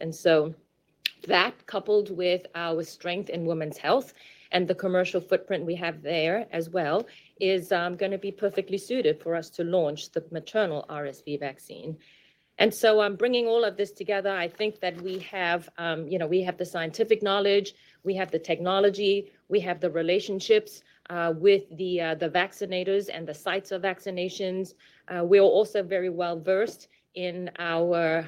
That coupled with our strength in women's health and the commercial footprint we have there as well is gonna be perfectly suited for us to launch the maternal RSV vaccine. Bringing all of this together, I think that we have, you know, we have the scientific knowledge, we have the technology, we have the relationships with the vaccinators and the sites of vaccinations. We're also very well-versed in our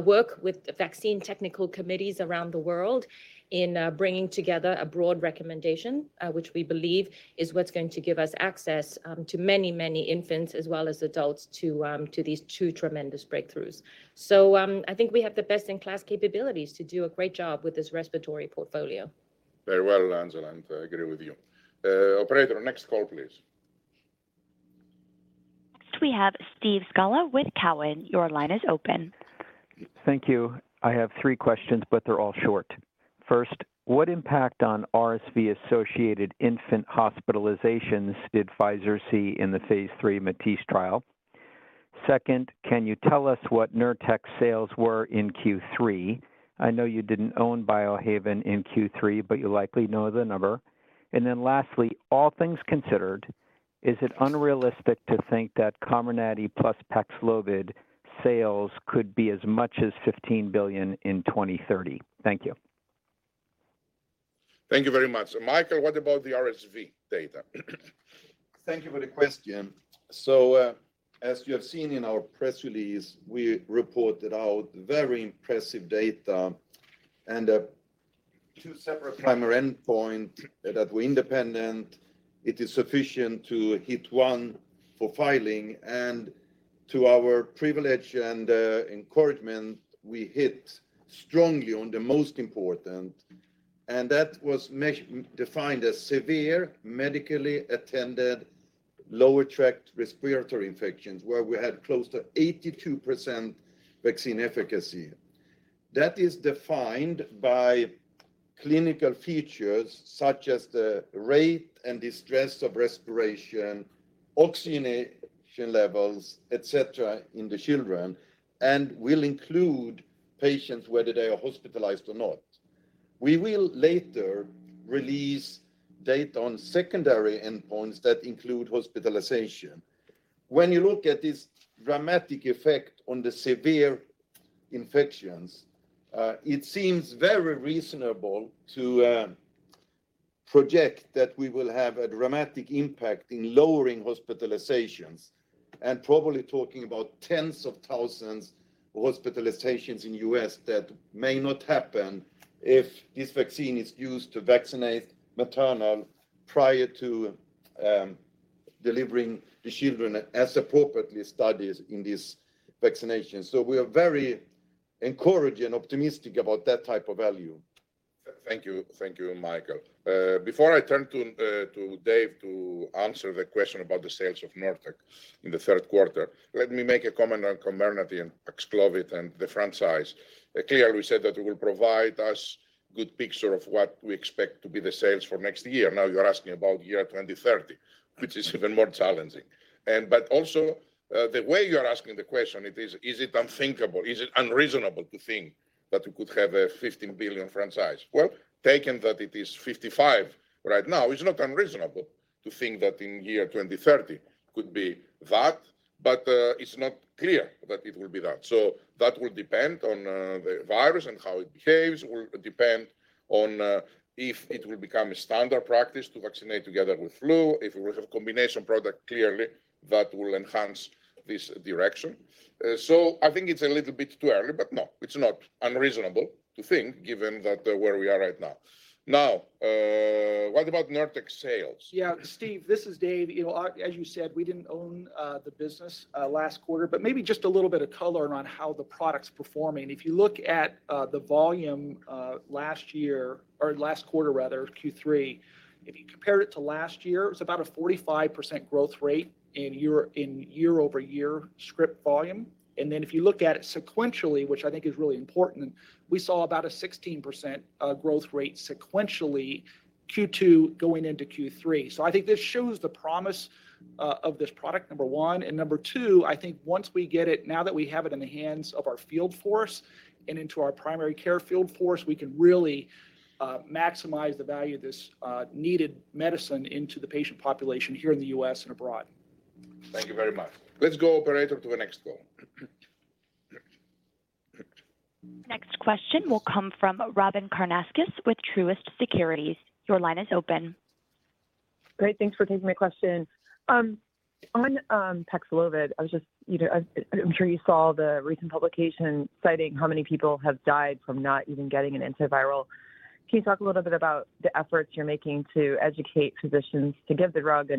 work with vaccine technical committees around the world in bringing together a broad recommendation, which we believe is what's going to give us access to many, many infants as well as adults to these two tremendous breakthroughs.I think we have the best-in-class capabilities to do a great job with this respiratory portfolio. Very well, Angela, and I agree with you. Operator, next call, please. Next we have Steve Scala with Cowen. Your line is open. Thank you. I have three questions, but they're all short. First, what impact on RSV-associated infant hospitalizations did Pfizer see in the phase III MATISSE trial? Second, can you tell us what Nurtec sales were in Q3? I know you didn't own Biohaven in Q3, but you likely know the number. Lastly, all things considered, is it unrealistic to think that Comirnaty plus PAXLOVID sales could be as much as $15 billion in 2030? Thank you. Thank you very much. Mikael, what about the RSV data? Thank you for the question. As you have seen in our press release, we reported out very impressive data and two separate primary endpoint that were independent. It is sufficient to hit one for filing, and to our privilege and encouragement, we hit strongly on the most important, and that was defined as severe medically attended lower respiratory tract infections, where we had close to 82% vaccine efficacy. That is defined by clinical features such as the rate and distress of respiration, oxygenation levels, et cetera, in the children, and will include patients whether they are hospitalized or not. We will later release data on secondary endpoints that include hospitalization. When you look at this dramatic effect on the severe infections, it seems very reasonable to project that we will have a dramatic impact in lowering hospitalizations and probably talking about tens of thousands of hospitalizations in U.S. that may not happen if this vaccine is used to vaccinate maternal prior to delivering the children as appropriately studied in this vaccination. We are very encouraged and optimistic about that type of value. Thank you. Thank you, Mikael. Before I turn to Dave to answer the question about the sales of Nurtec in the third quarter, let me make a comment on Comirnaty and Paxlovid and the franchise. Clearly, we said that it will provide us good picture of what we expect to be the sales for next year. Now you're asking about year 2030, which is even more challenging. The way you're asking the question, is it unthinkable? Is it unreasonable to think that we could have a $15 billion franchise? Well, taken that it is $55 billion right now, it's not unreasonable to think that in year 2030 could be that, but it's not clear that it will be that. That will depend on the virus and how it behaves. It will depend on if it will become standard practice to vaccinate together with flu. If we will have combination product, clearly that will enhance this direction. I think it's a little bit too early, but no, it's not unreasonable to think given that where we are right now. Now, what about Nurtec sales? Yeah, Steve, this is Dave. You know, as you said, we didn't own the business last quarter, but maybe just a little bit of color around how the product's performing. If you look at the volume last year or last quarter rather, Q3, if you compared it to last year, it was about a 45% growth rate in year-over-year script volume. Then if you look at it sequentially, which I think is really important, we saw about a 16% growth rate sequentially Q2 going into Q3. I think this shows the promise of this product, number one. Number two, I think now that we have it in the hands of our field force and into our primary care field force, we can really maximize the value of this needed medicine into the patient population here in the U.S. and abroad. Thank you very much. Let's go, operator, to the next call. Next question will come from Robyn Karnauskas with Truist Securities. Your line is open. Great. Thanks for taking my question. On PAXLOVID, I was just, you know, I'm sure you saw the recent publication citing how many people have died from not even getting an antiviral. Can you talk a little bit about the efforts you're making to educate physicians to give the drug?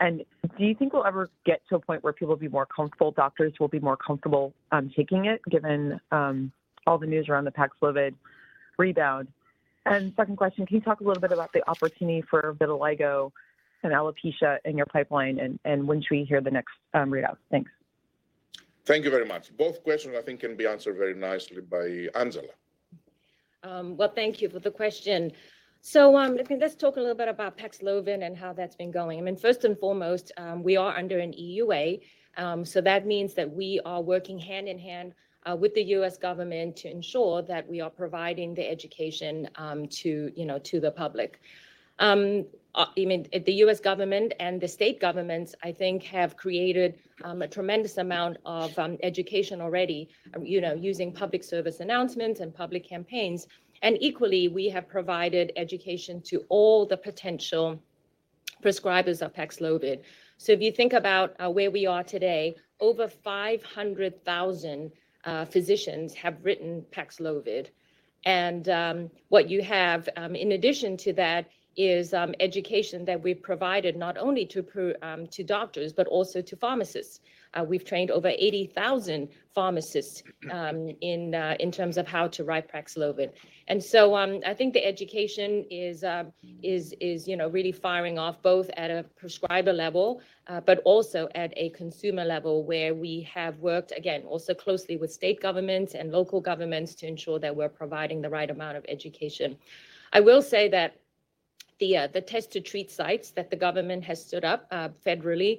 And do you think we'll ever get to a point where people will be more comfortable, doctors will be more comfortable taking it, given all the news around the PAXLOVID rebound? And second question, can you talk a little bit about the opportunity for vitiligo and alopecia in your pipeline and when should we hear the next readout? Thanks. Thank you very much. Both questions I think can be answered very nicely by Angela. Well, thank you for the question. So, I mean, let's talk a little bit about PAXLOVID and how that's been going. I mean, first and foremost, we are under an EUA, so that means that we are working hand-in-hand with the U.S. government to ensure that we are providing the education to, you know, to the public. I mean, the U.S. government and the state governments, I think, have created a tremendous amount of education already, you know, using public service announcements and public campaigns. And equally, we have provided education to all the potential prescribers of PAXLOVID. So if you think about where we are today, over 500,000 physicians have written PAXLOVID. What you have in addition to that is education that we've provided not only to doctors, but also to pharmacists. We've trained over 80,000 pharmacists in terms of how to write PAXLOVID. I think the education is, you know, really firing off both at a prescriber level, but also at a consumer level where we have worked, again, also closely with state governments and local governments to ensure that we're providing the right amount of education. I will say that the Test to Treat sites that the government has stood up federally,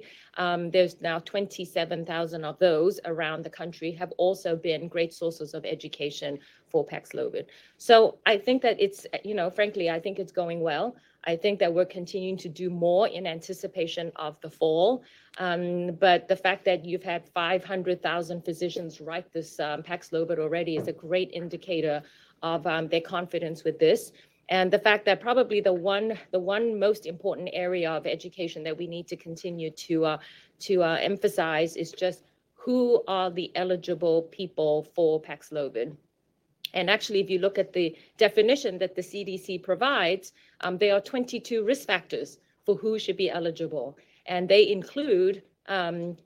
there's now 27,000 of those around the country, have also been great sources of education for PAXLOVID. I think that it's, you know, frankly, I think it's going well. I think that we're continuing to do more in anticipation of the fall. The fact that you've had 500,000 physicians write this PAXLOVID already is a great indicator of their confidence with this. The fact that probably the one most important area of education that we need to continue to emphasize is just who are the eligible people for PAXLOVID. Actually, if you look at the definition that the CDC provides, there are 22 risk factors for who should be eligible. They include,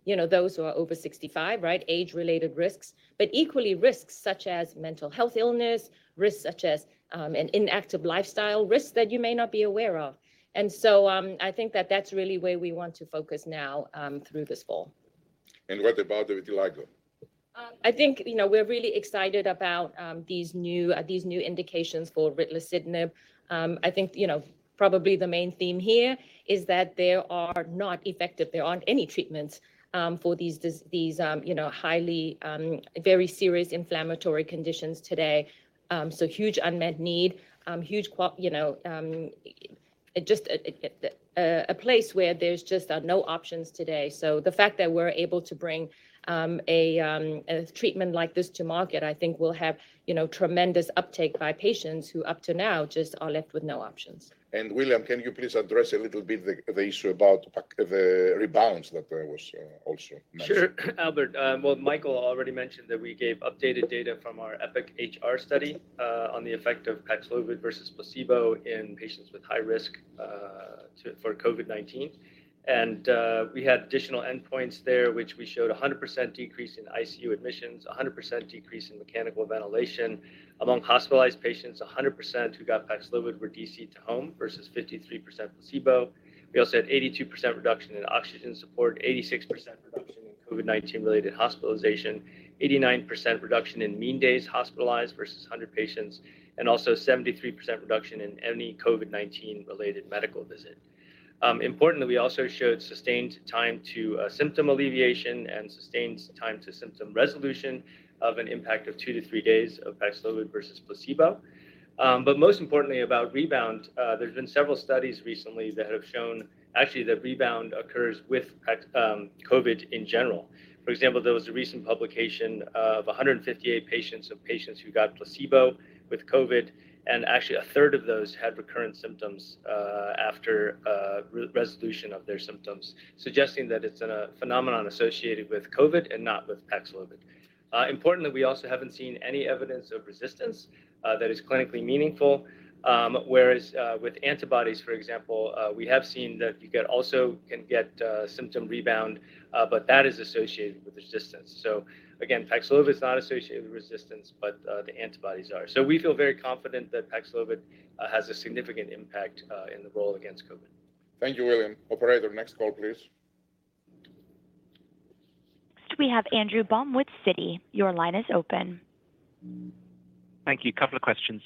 you know, those who are over 65, right? Age-related risks. Equally, risks such as mental health illness, risks such as an inactive lifestyle, risks that you may not be aware of. I think that that's really where we want to focus now, through this fall. What about the vitiligo? I think, you know, we're really excited about these new indications for ritlecitinib. I think, you know, probably the main theme here is that there aren't any treatments for these, you know, highly very serious inflammatory conditions today. Huge unmet need, you know, it's just a place where there's just no options today. The fact that we're able to bring a treatment like this to market, I think will have, you know, tremendous uptake by patients who up to now just are left with no options. William, can you please address a little bit the issue about the rebounds that there was also mentioned? Sure, Albert. Well, Mikael already mentioned that we gave updated data from our EPIC-HR study on the effect of PAXLOVID versus placebo in patients with high risk for COVID-19. We had additional endpoints there, which we showed a 100% decrease in ICU admissions, a 100% decrease in mechanical ventilation. Among hospitalized patients, 100% who got PAXLOVID were DC'd to home versus 53% placebo. We also had 82% reduction in oxygen support, 86% reduction in COVID-19 related hospitalization, 89% reduction in mean days hospitalized versus 100 patients, and also 73% reduction in any COVID-19 related medical visit. Importantly, we also showed sustained time to symptom alleviation and sustained time to symptom resolution of an impact of two to three days of PAXLOVID versus placebo. Most importantly about rebound, there's been several studies recently that have shown actually that rebound occurs with COVID in general. For example, there was a recent publication of 158 patients who got placebo with COVID, and actually a third of those had recurrent symptoms after re-resolution of their symptoms, suggesting that it's a phenomenon associated with COVID and not with PAXLOVID. Importantly, we also haven't seen any evidence of resistance that is clinically meaningful. Whereas with antibodies, for example, we have seen that you can get symptom rebound, but that is associated with resistance. Again, PAXLOVID is not associated with resistance, but the antibodies are. We feel very confident that PAXLOVID has a significant impact in the war against COVID. Thank you, William. Operator, next call, please. Next we have Andrew Baum with Citi. Your line is open. Thank you. Couple of questions.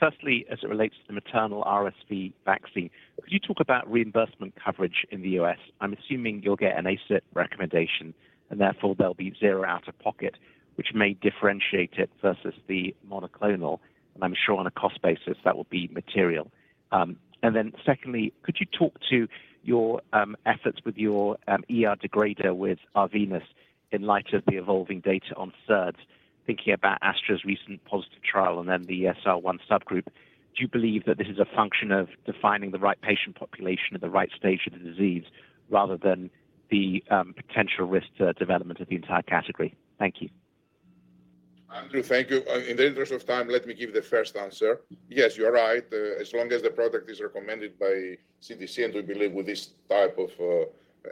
Firstly, as it relates to the maternal RSV vaccine, could you talk about reimbursement coverage in the U.S.? I'm assuming you'll get an ACIP recommendation, and therefore there'll be zero out-of-pocket, which may differentiate it versus the monoclonal, and I'm sure on a cost basis that will be material. Secondly, could you talk to your efforts with your ER degrader with Arvinas in light of the evolving data on SERDs, thinking about AstraZeneca's recent positive trial and then the ESR1 subgroup. Do you believe that this is a function of defining the right patient population at the right stage of the disease rather than the potential risk to development of the entire category? Thank you. Andrew, thank you. In the interest of time, let me give the first answer. Yes, you are right. As long as the product is recommended by CDC, and we believe with this type of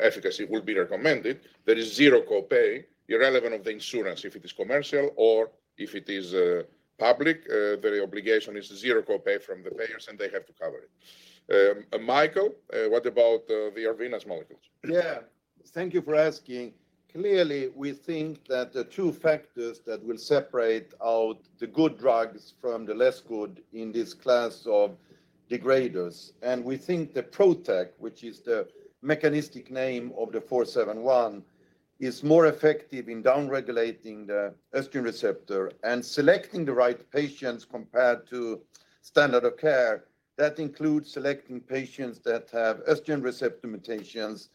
efficacy will be recommended, there is zero copay irrespective of the insurance, if it is commercial or if it is public, the obligation is zero copay from the payers and they have to cover it. Mikael, what about the Arvinas molecules? Yeah. Thank you for asking. Clearly, we think that the two factors that will separate out the good drugs from the less good in this class of degraders, and we think the PROTAC, which is the mechanistic name of the ARV-471, is more effective in down-regulating the estrogen receptor and selecting the right patients compared to standard of care. That includes selecting patients that have estrogen receptor mutations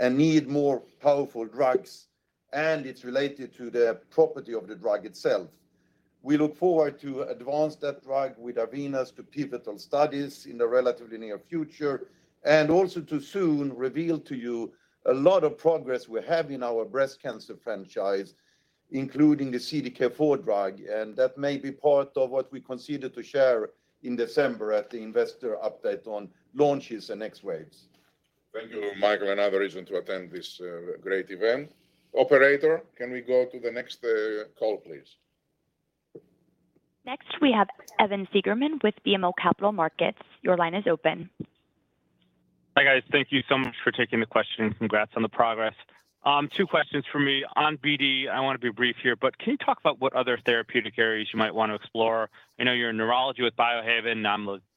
and need more powerful drugs, and it's related to the property of the drug itself. We look forward to advance that drug with Arvinas to pivotal studies in the relatively near future, and also to soon reveal to you a lot of progress we have in our breast cancer franchise, including the CDK4 drug. That may be part of what we consider to share in December at the investor update on launches and next waves. Thank you, Mikael. Another reason to attend this great event. Operator, can we go to the next call, please? Next, we have Evan Seigerman with BMO Capital Markets. Your line is open. Hi, guys. Thank you so much for taking the question, and congrats on the progress. Two questions from me. On BD, I wanna be brief here, but can you talk about what other therapeutic areas you might want to explore? I know you're in neurology with Biohaven,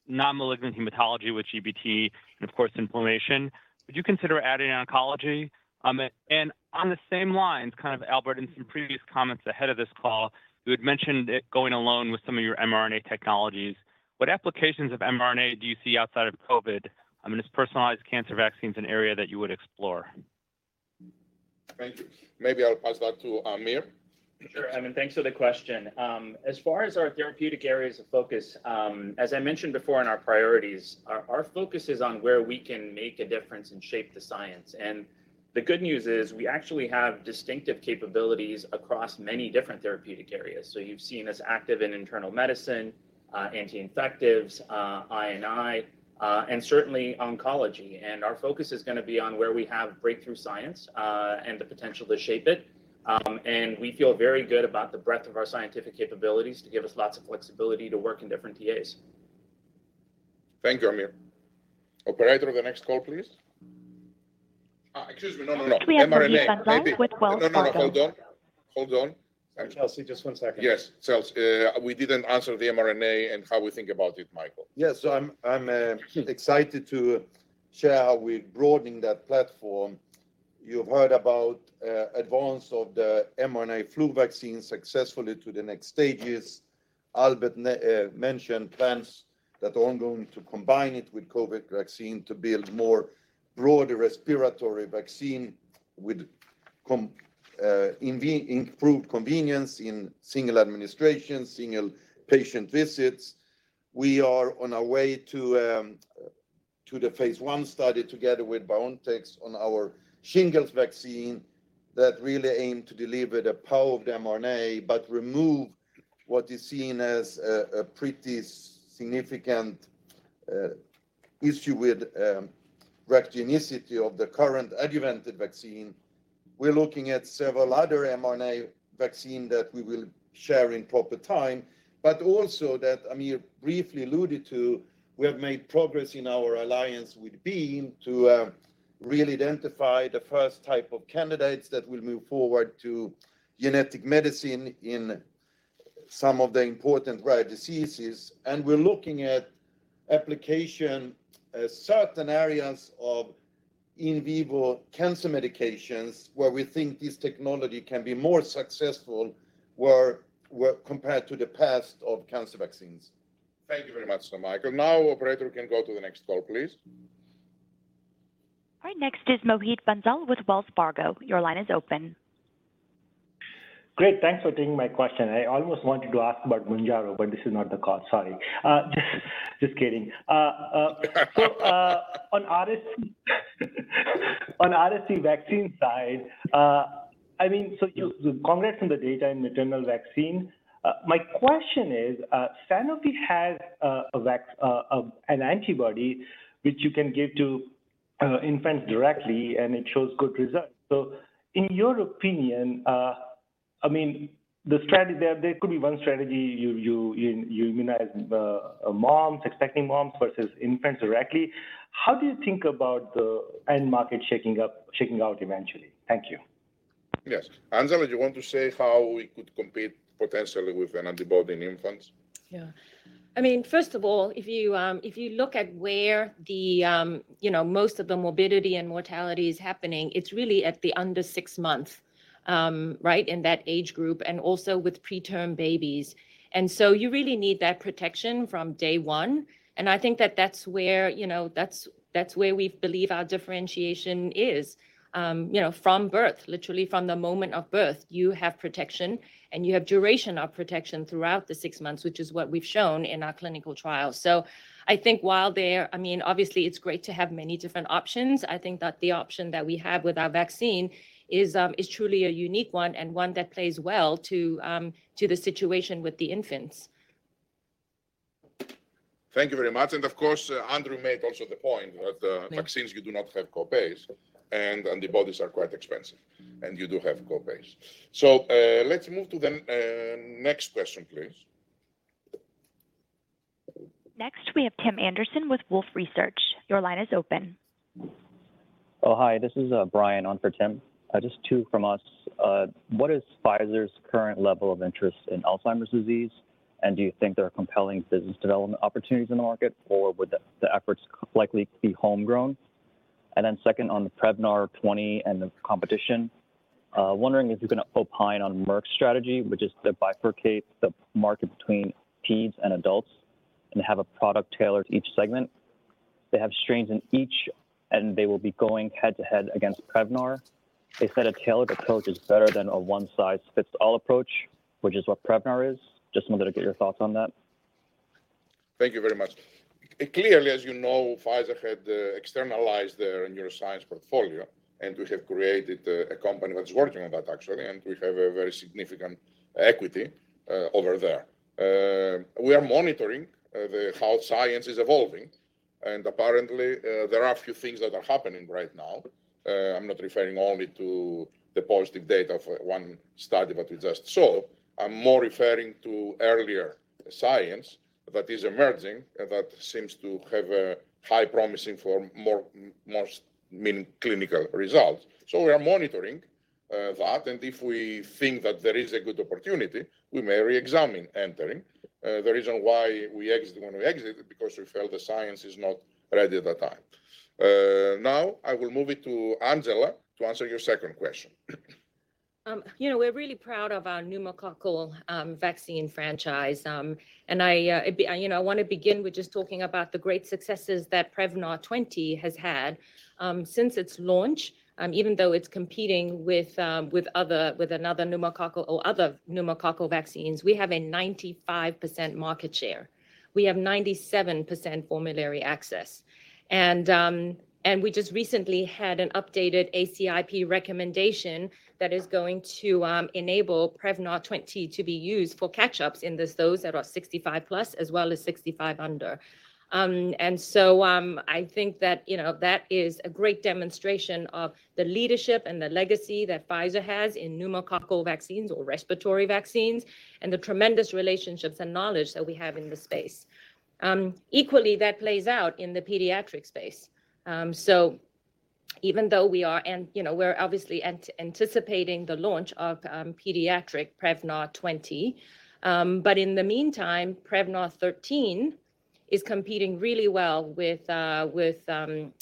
non-malignant hematology with GBT, and of course inflammation. Would you consider adding oncology? And on the same lines, kind of Albert, in some previous comments ahead of this call, you had mentioned it going alone with some of your mRNA technologies. What applications of mRNA do you see outside of COVID? I mean, is personalized cancer vaccines an area that you would explore? Thank you. Maybe I'll pass that to Aamir. Sure, Evan. Thanks for the question. As far as our therapeutic areas of focus, as I mentioned before in our priorities, our focus is on where we can make a difference and shape the science. The good news is we actually have distinctive capabilities across many different therapeutic areas. You've seen us active in internal medicine, anti-infectives, I&I, and certainly oncology. Our focus is gonna be on where we have breakthrough science, and the potential to shape it. We feel very good about the breadth of our scientific capabilities to give us lots of flexibility to work in different TAs. Thank you, Aamir. Operator, the next call, please. Excuse me. No. mRNA. We have Mohit Bansal with Wells Fargo. No, no. Hold on. Hold on. Kelsey, just one second. Yes, Kelsey, we didn't answer the mRNA and how we think about it, Mikael. Yes. I'm excited to share how we're broadening that platform. You've heard about advance of the mRNA flu vaccine successfully to the next stages. Albert mentioned plans that are ongoing to combine it with COVID vaccine to build more broader respiratory vaccine with improved convenience in single administration, single patient visits. We are on our way to the phase I study together with BioNTech on our shingles vaccine that really aim to deliver the power of the mRNA, but remove what is seen as a pretty significant issue with reactogenicity of the current adjuvanted vaccine. We're looking at several other mRNA vaccine that we will share in proper time, but also that Aamir briefly alluded to, we have made progress in our alliance with Beam to really identify the first type of candidates that will move forward to genetic medicine in some of the important rare diseases. We're looking at application, certain areas of in vivo cancer medications where we think this technology can be more successful where compared to the past of cancer vaccines. Thank you very much, Mikael. Now, operator, we can go to the next call, please. All right. Next is Mohit Bansal with Wells Fargo. Your line is open. Great. Thanks for taking my question. I almost wanted to ask about Mounjaro, but this is not the call. Sorry. Just kidding. On RSV vaccine side, I mean, congrats on the data in maternal vaccine. My question is, Sanofi has an antibody which you can give to infants directly, and it shows good results. In your opinion, the strategy there could be one strategy. You immunize moms, expecting moms versus infants directly. How do you think about the end market shaking up, shaking out eventually? Thank you. Yes. Angela, do you want to say how we could compete potentially with an antibody in infants? Yeah. I mean, first of all, if you look at where the, you know, most of the morbidity and mortality is happening, it's really at the under six months, right, in that age group, and also with preterm babies. You really need that protection from day one, and I think that that's where, you know, that's where we believe our differentiation is. You know, from birth, literally from the moment of birth, you have protection, and you have duration of protection throughout the six months, which is what we've shown in our clinical trials. I think while there, I mean, obviously it's great to have many different options, I think that the option that we have with our vaccine is truly a unique one and one that plays well to the situation with the infants. Thank you very much. Of course, Andrew made also the point that. Yeah Vaccines you do not have copays and antibodies are quite expensive, and you do have copays. Let's move to the next question, please. Next, we have Tim Anderson with Wolfe Research. Your line is open. Oh, hi. This is Brian on for Tim. Just two from us. What is Pfizer's current level of interest in Alzheimer's disease? Do you think there are compelling business development opportunities in the market, or would the efforts likely to be homegrown? Then second on the Prevnar 20 and the competition, wondering if you're gonna opine on Merck's strategy, which is to bifurcate the market between peds and adults and have a product tailored to each segment. They have strains in each, and they will be going head-to-head against Prevnar. They said a tailored approach is better than a one-size-fits-all approach, which is what Prevnar is. Just wanted to get your thoughts on that. Thank you very much. Clearly, as you know, Pfizer had externalized their neuroscience portfolio, and we have created a company that's working on that actually, and we have a very significant equity over there. We are monitoring how science is evolving, and apparently there are a few things that are happening right now. I'm not referring only to the positive data for one study that we just saw. I'm more referring to earlier science that is emerging that seems to have a highly promising for more significant clinical results. We are monitoring that, and if we think that there is a good opportunity, we may reexamine entering. The reason why we exit when we exited, because we felt the science is not ready at that time. Now I will move it to Angela to answer your second question. You know, we're really proud of our pneumococcal vaccine franchise. I, you know, want to begin with just talking about the great successes that Prevnar 20 has had since its launch. Even though it's competing with other pneumococcal vaccines, we have a 95% market share. We have 97% formulary access. We just recently had an updated ACIP recommendation that is going to enable Prevnar 20 to be used for catch-ups in this, those that are 65+ as well as 65 under. I think that, you know, that is a great demonstration of the leadership and the legacy that Pfizer has in pneumococcal vaccines or respiratory vaccines, and the tremendous relationships and knowledge that we have in this space. Equally, that plays out in the pediatric space. Even though we are you know, we're obviously anticipating the launch of pediatric Prevnar 20, but in the meantime, Prevnar 13 is competing really well with the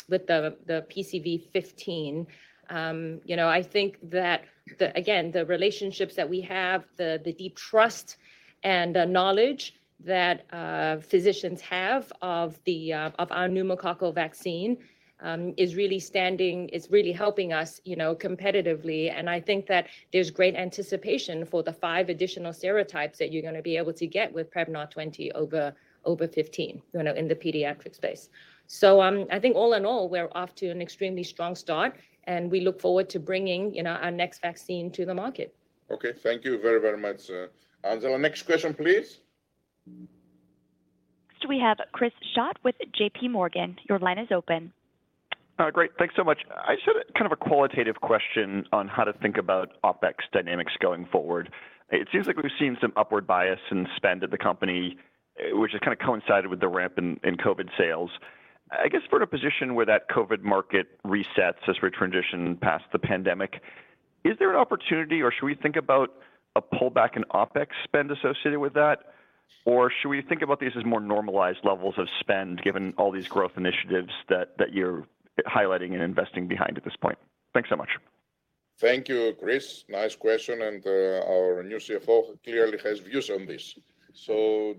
PCV15. You know, I think that again, the relationships that we have, the deep trust and the knowledge that physicians have of our pneumococcal vaccine is really helping us you know, competitively. I think that there's great anticipation for the five additional serotypes that you're gonna be able to get with Prevnar 20 over 15, you know, in the pediatric space. I think all in all, we're off to an extremely strong start, and we look forward to bringing you know, our next vaccine to the market. Okay. Thank you very, very much, Angela. Next question, please. Next we have Chris Schott with JPMorgan. Your line is open. Great. Thanks so much. I just had a kind of a qualitative question on how to think about OpEx dynamics going forward. It seems like we've seen some upward bias in spend at the company, which has kind of coincided with the ramp in COVID sales. I guess for a position where that COVID market resets as we transition past the pandemic, is there an opportunity or should we think about a pullback in OpEx spend associated with that? Or should we think about these as more normalized levels of spend given all these growth initiatives that you're highlighting and investing behind at this point? Thanks so much. Thank you, Chris. Nice question, and, our new CFO clearly has views on this.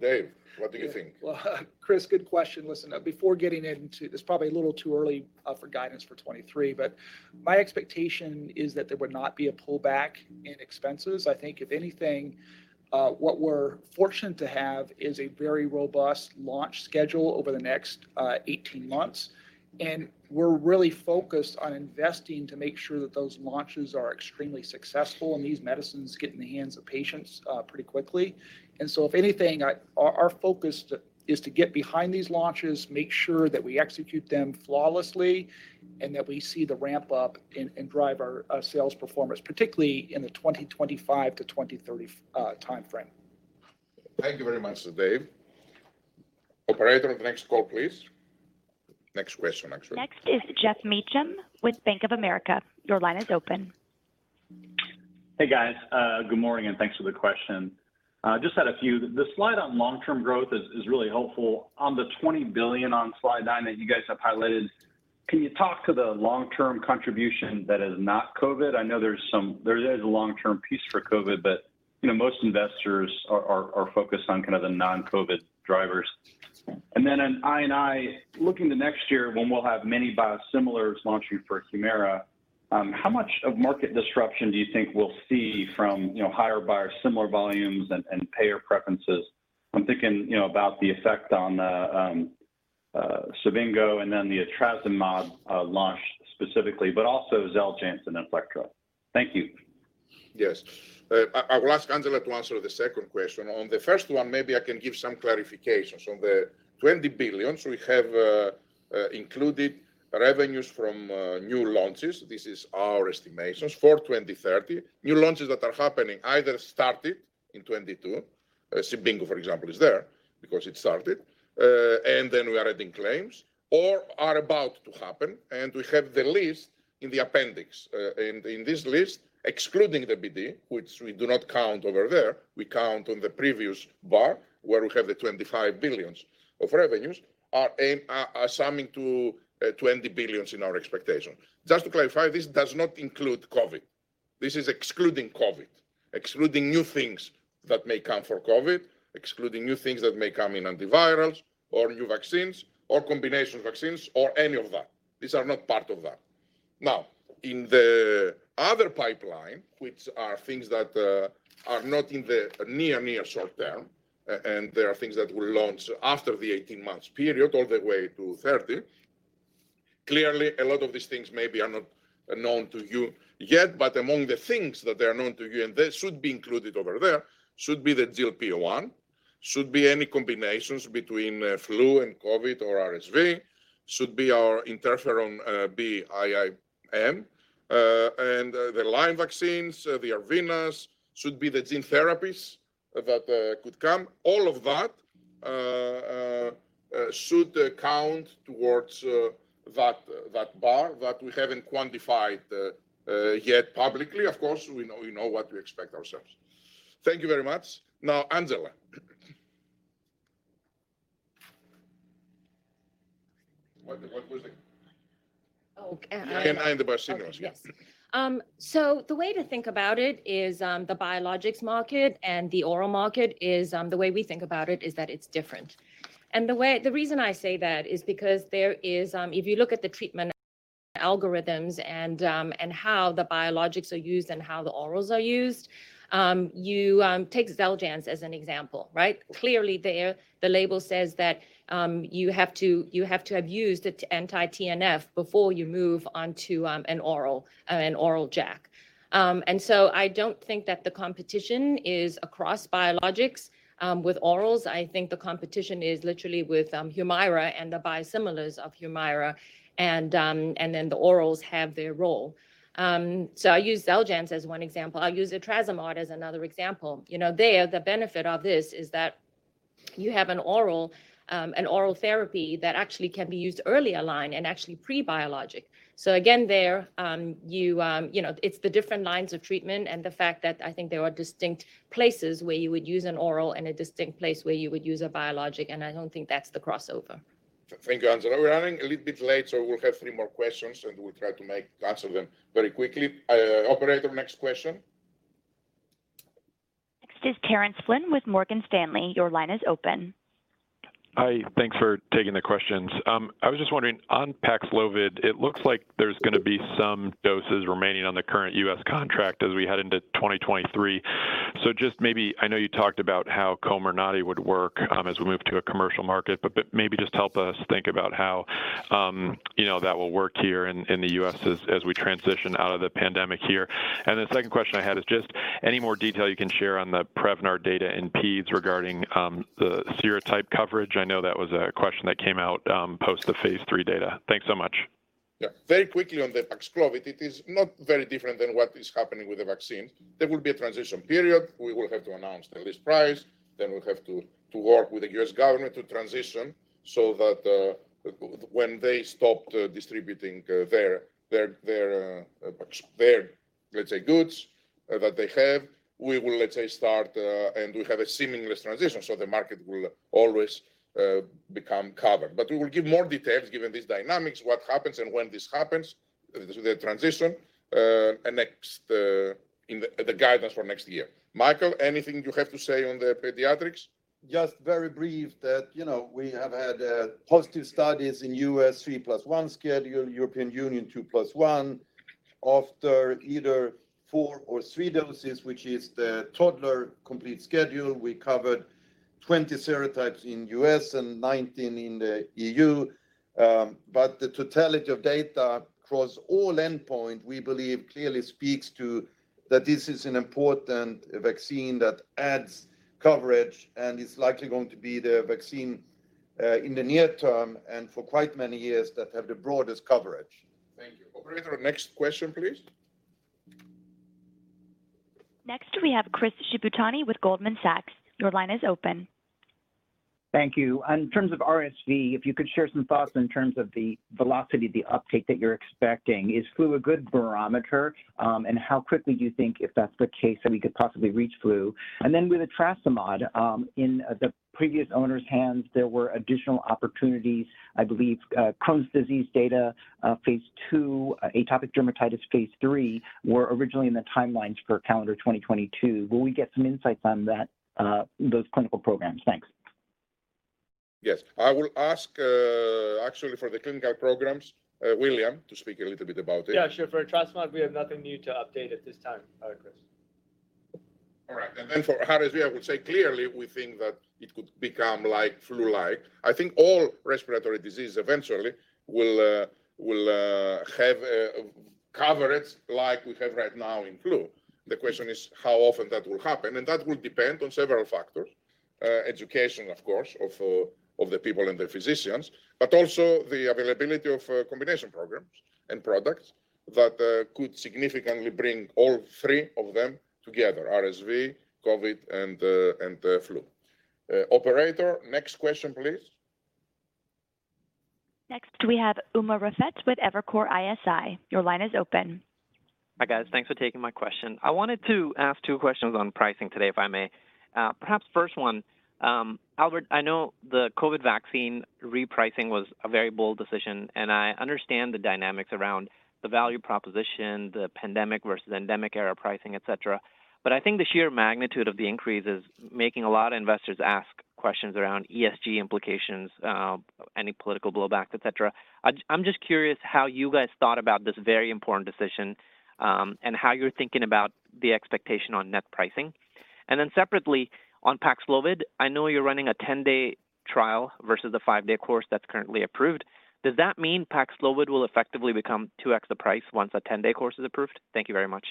Dave, what do you think? Well, Chris, good question. Listen, it's probably a little too early for guidance for 2023, but my expectation is that there would not be a pullback in expenses. I think if anything, what we're fortunate to have is a very robust launch schedule over the next 18 months, and we're really focused on investing to make sure that those launches are extremely successful, and these medicines get in the hands of patients pretty quickly. If anything, our focus is to get behind these launches, make sure that we execute them flawlessly, and that we see the ramp up and drive our sales performance, particularly in the 2025 to 2030 timeframe. Thank you very much, Dave. Operator, next call, please. Next question, actually. Next is Geoff Meacham with Bank of America. Your line is open. Hey, guys. Good morning, and thanks for the question. Just had a few. The slide on long-term growth is really helpful. On the $20 billion on slide nine that you guys have highlighted, can you talk to the long-term contribution that is not COVID? I know there is a long-term piece for COVID, but, you know, most investors are focused on kind of the non-COVID drivers. Then on I&I, looking to next year when we'll have many biosimilars launching for HUMIRA, how much of market disruption do you think we'll see from, you know, higher biosimilar volumes and payer preferences? I'm thinking, you know, about the effect on the. Cibinqo and then the etrasimod launch specifically, but also Xeljanz and Inflectra. Thank you. Yes. I will ask Angela to answer the second question. On the first one, maybe I can give some clarifications. On the $20 billion, we have included revenues from new launches. This is our estimations for 2030. New launches that are happening either started in 2022, Cibinqo, for example, is there because it started, and then we are adding claims, or are about to happen. We have the list in the appendix. In this list, excluding the BD, which we do not count over there, we count on the previous bar, where we have the $25 billion of revenues are summing to $20 billion in our expectation. Just to clarify, this does not include COVID. This is excluding COVID, excluding new things that may come for COVID, excluding new things that may come in antivirals, or new vaccines, or combination vaccines, or any of that. These are not part of that. Now, in the other pipeline, which are things that are not in the near short term, and they are things that will launch after the 18 months period, all the way to 30. Clearly, a lot of these things maybe are not known to you yet, but among the things that are known to you, and they should be included over there, should be the GLP-1, should be any combinations between flu and COVID or RSV, should be our interferon, Beam, and the Lyme vaccines, the Arena, should be the gene therapies that could come. All of that should count towards that bar that we haven't quantified yet publicly. Of course, we know what we expect ourselves. Thank you very much. Now, Angela. What was it? Oh, um- In the Biosimilars. Okay. Yes. The way to think about it is the biologics market and the oral market is the way we think about it is that it's different. The reason I say that is because there is if you look at the treatment algorithms and and how the biologics are used and how the orals are used you take Xeljanz as an example, right? Clearly, the label says that you have to have used anti-TNF before you move onto an oral JAK. I don't think that the competition is across biologics with orals. I think the competition is literally with HUMIRA and the biosimilars of HUMIRA, and then the orals have their role. I use Xeljanz as one example. I'll use etrasimod as another example. You know, the benefit of this is that you have an oral therapy that actually can be used early in line and actually pre-biologic. Again, you know, it's the different lines of treatment and the fact that I think there are distinct places where you would use an oral and a distinct place where you would use a biologic, and I don't think that's the crossover. Thank you, Angela. We're running a little bit late, so we'll have three more questions, and we'll try to answer them very quickly. Operator, next question. Next is Terence Flynn with Morgan Stanley. Your line is open. Hi. Thanks for taking the questions. I was just wondering, on PAXLOVID, it looks like there's gonna be some doses remaining on the current U.S. contract as we head into 2023. Just maybe, I know you talked about how Comirnaty would work, as we move to a commercial market, but maybe just help us think about how, you know, that will work here in the U.S. as we transition out of the pandemic here. The second question I had is just any more detail you can share on the Prevnar data in peds regarding the serotype coverage? I know that was a question that came out post the phase III data. Thanks so much. Yeah. Very quickly on the PAXLOVID, it is not very different than what is happening with the vaccine. There will be a transition period. We will have to announce the list price. Then we'll have to work with the U.S. government to transition so that when they stop distributing their, let's say, goods that they have, we will, let's say, start and we have a seamless transition, so the market will always become covered. We will give more details, given these dynamics, what happens and when this happens, the transition next in the guidance for next year. Mikael, anything you have to say on the pediatrics? Just very brief that, you know, we have had positive studies in U.S. 3 + 1 schedule, European Union 2 + 1. After either four or three doses, which is the toddler complete schedule, we covered 20 serotypes in U.S. and 19 in the EU. The totality of data across all endpoint, we believe, clearly speaks to that this is an important vaccine that adds coverage and is likely going to be the vaccine in the near term and for quite many years that have the broadest coverage. Thank you. Operator, next question, please. Next, we have Chris Shibutani with Goldman Sachs. Your line is open. Thank you. In terms of RSV, if you could share some thoughts in terms of the velocity, the uptake that you're expecting. Is flu a good barometer? And how quickly do you think, if that's the case, that we could possibly reach flu? And then with etrasimod, in the previous owner's hands, there were additional opportunities, I believe, Crohn's disease data, phase II, atopic dermatitis phase III, were originally in the timelines for calendar 2022. Will we get some insights on that, those clinical programs? Thanks. Yes. I will ask, actually for the clinical programs, William, to speak a little bit about it. Yeah, sure. For etrasimod, we have nothing new to update at this time, Chris. All right. For RSV, I would say clearly we think that it could become like flu-like. I think all respiratory disease eventually will have coverage like we have right now in flu. The question is how often that will happen, and that will depend on several factors. Education, of course, of the people and the physicians, but also the availability of combination programs and products that could significantly bring all three of them together, RSV, COVID, and the flu. Operator, next question, please. Next, we have Umer Raffat with Evercore ISI. Your line is open. Hi, guys. Thanks for taking my question. I wanted to ask two questions on pricing today, if I may. Perhaps first one, Albert, I know the COVID vaccine repricing was a very bold decision, and I understand the dynamics around the value proposition, the pandemic versus endemic-era pricing, et cetera. But I think the sheer magnitude of the increase is making a lot of investors ask questions around ESG implications, any political blowback, et cetera. I'm just curious how you guys thought about this very important decision, and how you're thinking about the expectation on net pricing. Separately, on PAXLOVID, I know you're running a 10-day trial versus the five day course that's currently approved. Does that mean PAXLOVID will effectively become 2x the price once a 10-day course is approved? Thank you very much.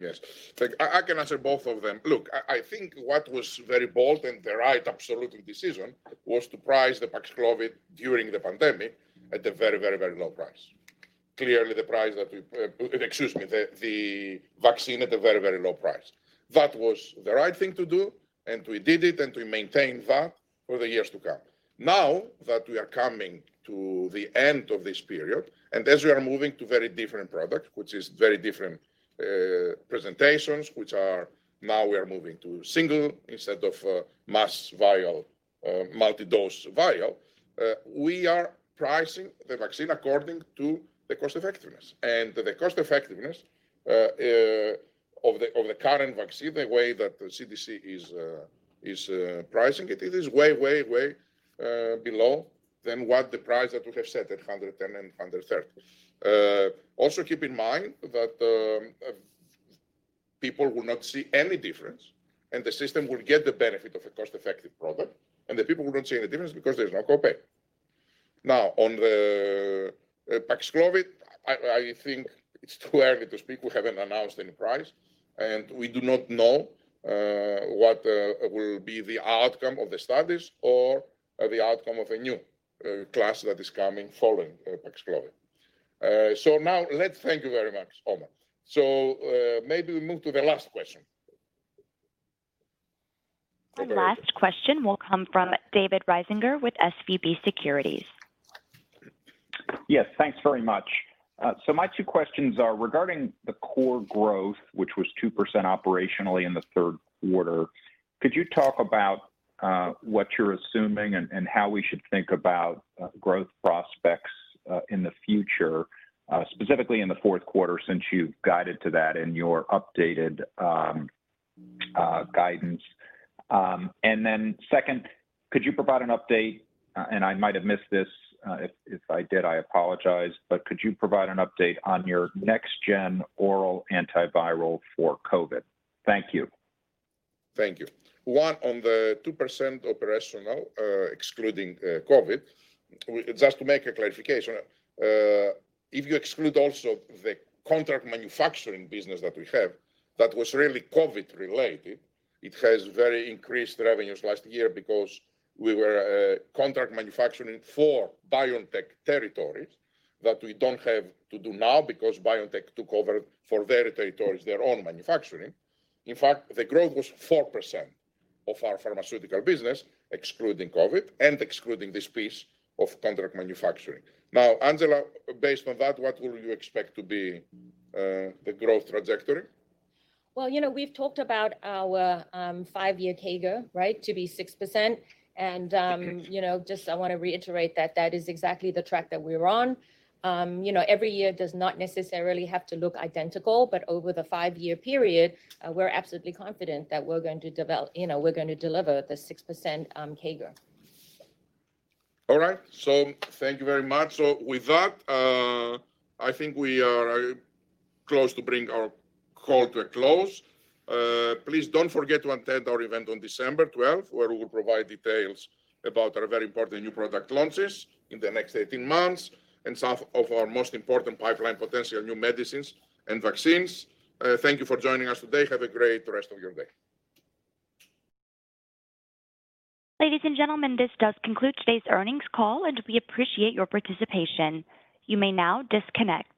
Yes. Thank you. I can answer both of them. Look, I think what was very bold and the right absolute decision was to price the PAXLOVID during the pandemic at a very low price. Clearly, the vaccine at a very low price. That was the right thing to do, and we did it, and we maintain that for the years to come. Now that we are coming to the end of this period, and as we are moving to very different product, which is very different presentations, which are now we are moving to single instead of a multi-dose vial, we are pricing the vaccine according to the cost effectiveness. The cost effectiveness of the current vaccine, the way that the CDC is pricing it is way below what the price that we have set at $110 and $130. Also keep in mind that people will not see any difference, and the system will get the benefit of a cost-effective product. The people will not see any difference because there's no copay. Now, on the PAXLOVID, I think it's too early to speak. We haven't announced any price, and we do not know what will be the outcome of the studies or the outcome of a new class that is coming following PAXLOVID. So now let's thank you very much, Umar. So maybe we move to the last question. The last question will come from David Risinger with SVB Securities. Yes. Thanks very much. So my two questions are regarding the core growth, which was 2% operationally in the third quarter. Could you talk about what you're assuming and how we should think about growth prospects in the future, specifically in the fourth quarter since you've guided to that in your updated guidance? Second, could you provide an update, and I might have missed this. If I did, I apologize, but could you provide an update on your next-gen oral antiviral for COVID? Thank you. Thank you. One, on the 2% operational, excluding COVID, just to make a clarification, if you exclude also the contract manufacturing business that we have that was really COVID-related, it has very increased revenues last year because we were contract manufacturing for BioNTech territories that we don't have to do now because BioNTech took over for their territories their own manufacturing. In fact, the growth was 4% of our pharmaceutical business, excluding COVID and excluding this piece of contract manufacturing. Now, Angela, based on that, what will you expect to be the growth trajectory? Well, you know, we've talked about our five year CAGR, right, to be 6%. You know, just I wanna reiterate that that is exactly the track that we're on. You know, every year does not necessarily have to look identical, but over the five-year period, we're absolutely confident that we're going to deliver the 6% CAGR. All right. Thank you very much. With that, I think we are close to bring our call to a close. Please don't forget to attend our event on December 12th, where we will provide details about our very important new product launches in the next 18 months and some of our most important pipeline potential new medicines and vaccines. Thank you for joining us today. Have a great rest of your day. Ladies and gentlemen, this does conclude today's earnings call, and we appreciate your participation. You may now disconnect.